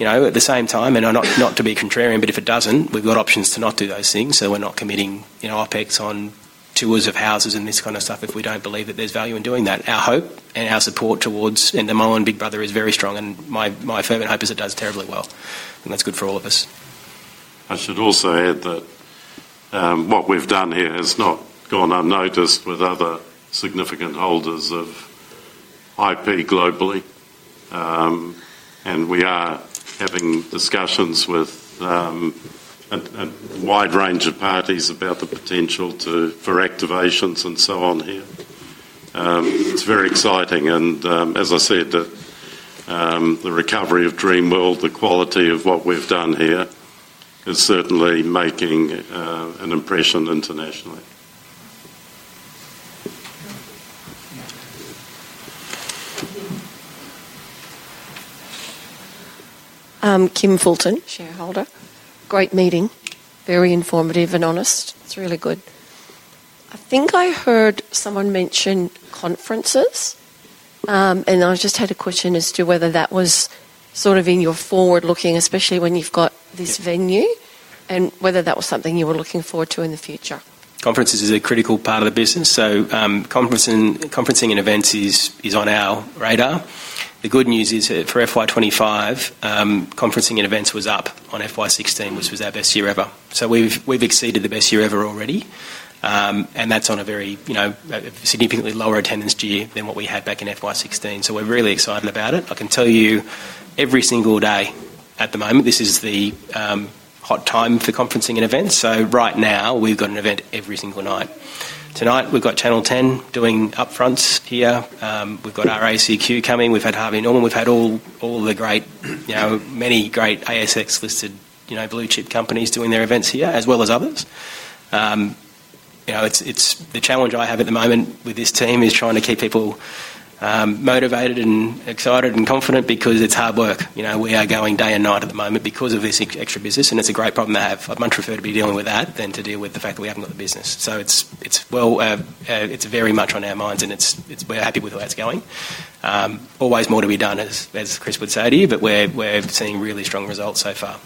D: At the same time, not to be contrarian, if it doesn't, we've got options to not do those things. So we're not committing OpEx on tours of houses and this kind of stuff if we don't believe that there's value in doing that. Our hope and our support towards Endemol and Big Brother is very strong, and my fervent hope is it does terribly well. That's good for all of us.
B: I should also add that what we've done here has not gone unnoticed with other significant holders of IP globally. And we are having discussions with a wide range of parties about the potential for activations and so on here. It's very exciting. And as I said, the recovery of Dreamworld, the quality of what we've done here, is certainly making an impression internationally.
L: I am Kim Fulton, shareholder. Great meeting. Very informative and honest. It's really good. I think I heard someone mention conferences. And I just had a question as to whether that was sort of in your forward-looking, especially when you've got this venue, and whether that was something you were looking forward to in the future.
D: Conferences is a critical part of the business. So conferencing and events is on our radar. The good news is for FY 2025, conferencing and events was up on FY 2016, which was our best year ever. We have exceeded the best year ever already. And that is on a very significantly lower attendance year than what we had back in FY 2016. We are really excited about it. I can tell you every single day at the moment, this is the hot time for conferencing and events. Right now, we have got an event every single night. Tonight, we have got Channel 10 doing upfronts here. We have got RACQ coming. We have had Harvey Norman. We have had many great ASX-listed blue-chip companies doing their events here, as well as others. It's the challenge I have at the moment with this team is trying to keep people. Motivated and excited and confident because it's hard work. We are going day and night at the moment because of this extra business, and it's a great problem to have. I'd much prefer to be dealing with that than to deal with the fact that we haven't got the business. So it's well, it is very much on our minds, and we're happy with where it's going. Always more to be done, as Chris would say to you, but we're seeing really strong results so far.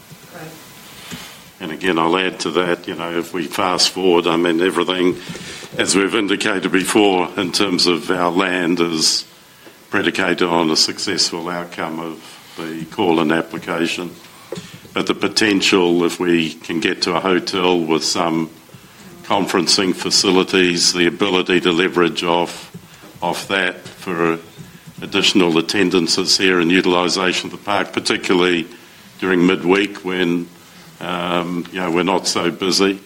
B: And again. I'll add to that, if we fast forward, I mean, everything, as we've indicated before, in terms of our land, is predicated on a successful outcome of the call and application. The potential, if we can get to a hotel with some conferencing facilities, the ability to leverage off that for additional attendances here and utilization of the park, particularly during midweek when we're not so busy,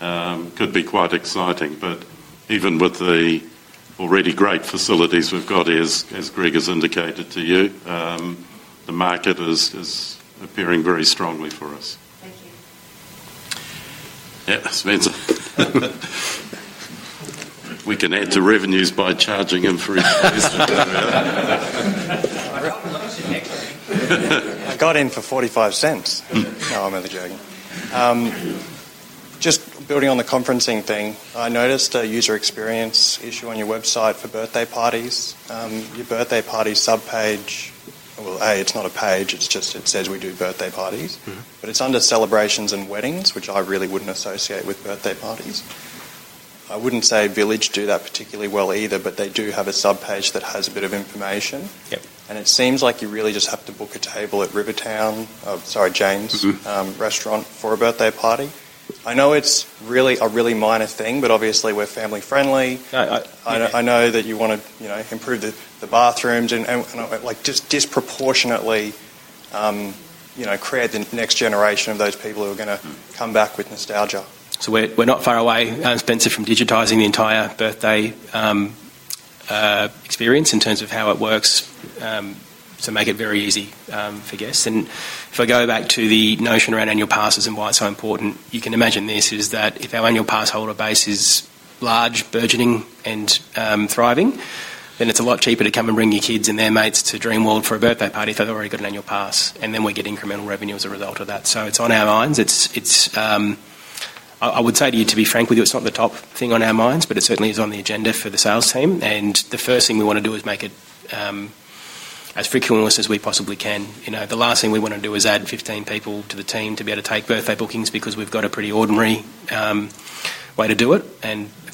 B: could be quite exciting. But even with the already great facilities we've got, as Greg has indicated to you, the market is appearing very strongly for us. Yeah, Spencer. We can add to revenues by charging him for his place.
E: I got in for $0.45. No, I'm only joking. Just building on the conferencing thing, I noticed a user experience issue on your website for birthday parties. Your birthday party subpage—well, a, it's not a page. It says we do birthday parties. It is under celebrations and weddings, which I really wouldn't associate with birthday parties. I wouldn't say Village do that particularly well either, but they do have a subpage that has a bit of information. It seems like you really just have to book a table at Rivertown—sorry, Jane's—restaurant for a birthday party. I know it's a really minor thing, but obviously, we're family-friendly. I know that you want to improve the bathrooms and just disproportionately. Create the next generation of those people who are going to come back with nostalgia.
D: So we are not far away, Spencer, from digitizing the entire birthday experience in terms of how it works. To make it very easy for guests. And if I go back to the notion around annual passes and why it's so important, you can imagine this is that if our annual pass holder base is large, burgeoning, and thriving, then it's a lot cheaper to come and bring your kids and their mates to Dreamworld for a birthday party if they've already got an annual pass. Then we get incremental revenue as a result of that. It is on our minds. I would say to you, to be frank with you, it's not the top thing on our minds, but it certainly is on the agenda for the sales team. The first thing we want to do is make it as frequent as we possibly can. The last thing we want to do is add 15 people to the team to be able to take birthday bookings because we've got a pretty ordinary way to do it.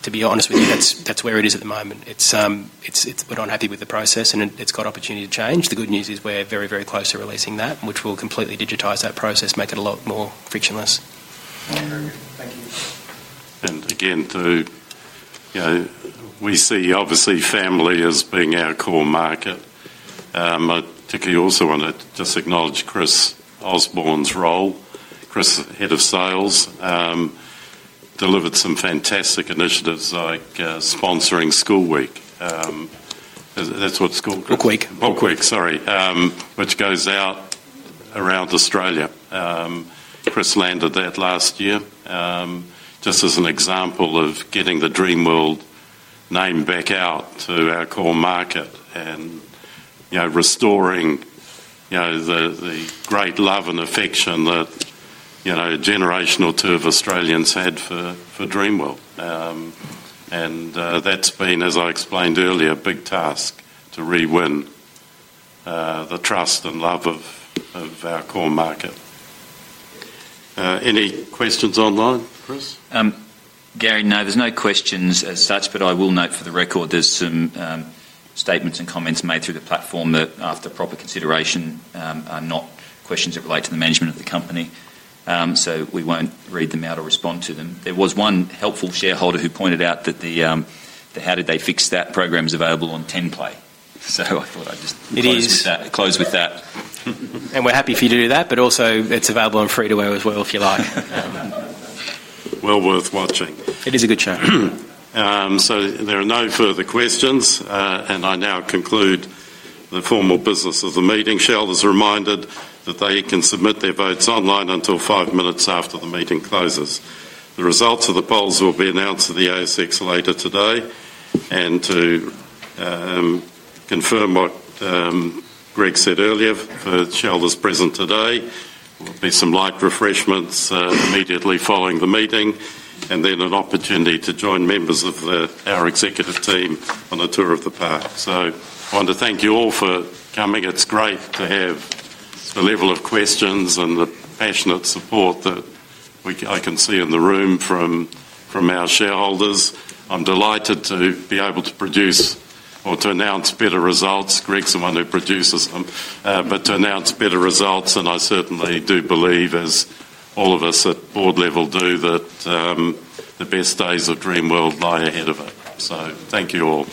D: To be honest with you, that's where it is at the moment. We're not happy with the process, and it's got opportunity to change. The good news is we're very, very close to releasing that, which will completely digitize that process, make it a lot more frictionless.
B: Again, too. We see, obviously, family as being our core market. I particularly also want to just acknowledge Chris Osborne's role. Chris, Head of Sales. Delivered some fantastic initiatives like sponsoring School Week. That's what School—
D: Quick Week.
B: Quick Week, sorry. Which goes out around Australia. Chris landed that last year. Just as an example of getting the Dreamworld name back out to our core market and restoring the great love and affection that a generation or two of Australians had for Dreamworld. That's been, as I explained earlier, a big task to rewin the trust and love of our core market. Any questions online, Chris?
C: Gary, no, there's no questions as such, but I will note for the record, there's some statements and comments made through the platform that, after proper consideration, are not questions that relate to the management of the company. So we won't read them out or respond to them. There was one helpful shareholder who pointed out that the How Did They Fix That program is available on 10 Play. So I thought I'd just close with that.
D: And we're happy for you to do that, but also, it's available on free-to-air as well if you like.
B: Well worth watching.
D: It is a good show.
B: So there are no further questions, and I now conclude the formal business of the meeting. Shareholders are reminded that they can submit their votes online until five minutes after the meeting closes. The results of the polls will be announced to the ASX later today. And to confirm what Greg said earlier, for shareholders present today, there will be some light refreshments immediately following the meeting, and then an opportunity to join members of our executive team on a tour of the park. So I want to thank you all for coming. It's great to have the level of questions and the passionate support that I can see in the room from our shareholders. I'm delighted to be able to produce or to announce better results. Greg's the one who produces them, but to announce better results. I certainly do believe, as all of us at board level do, that the best days of Dreamworld lie ahead of us. Thank you all.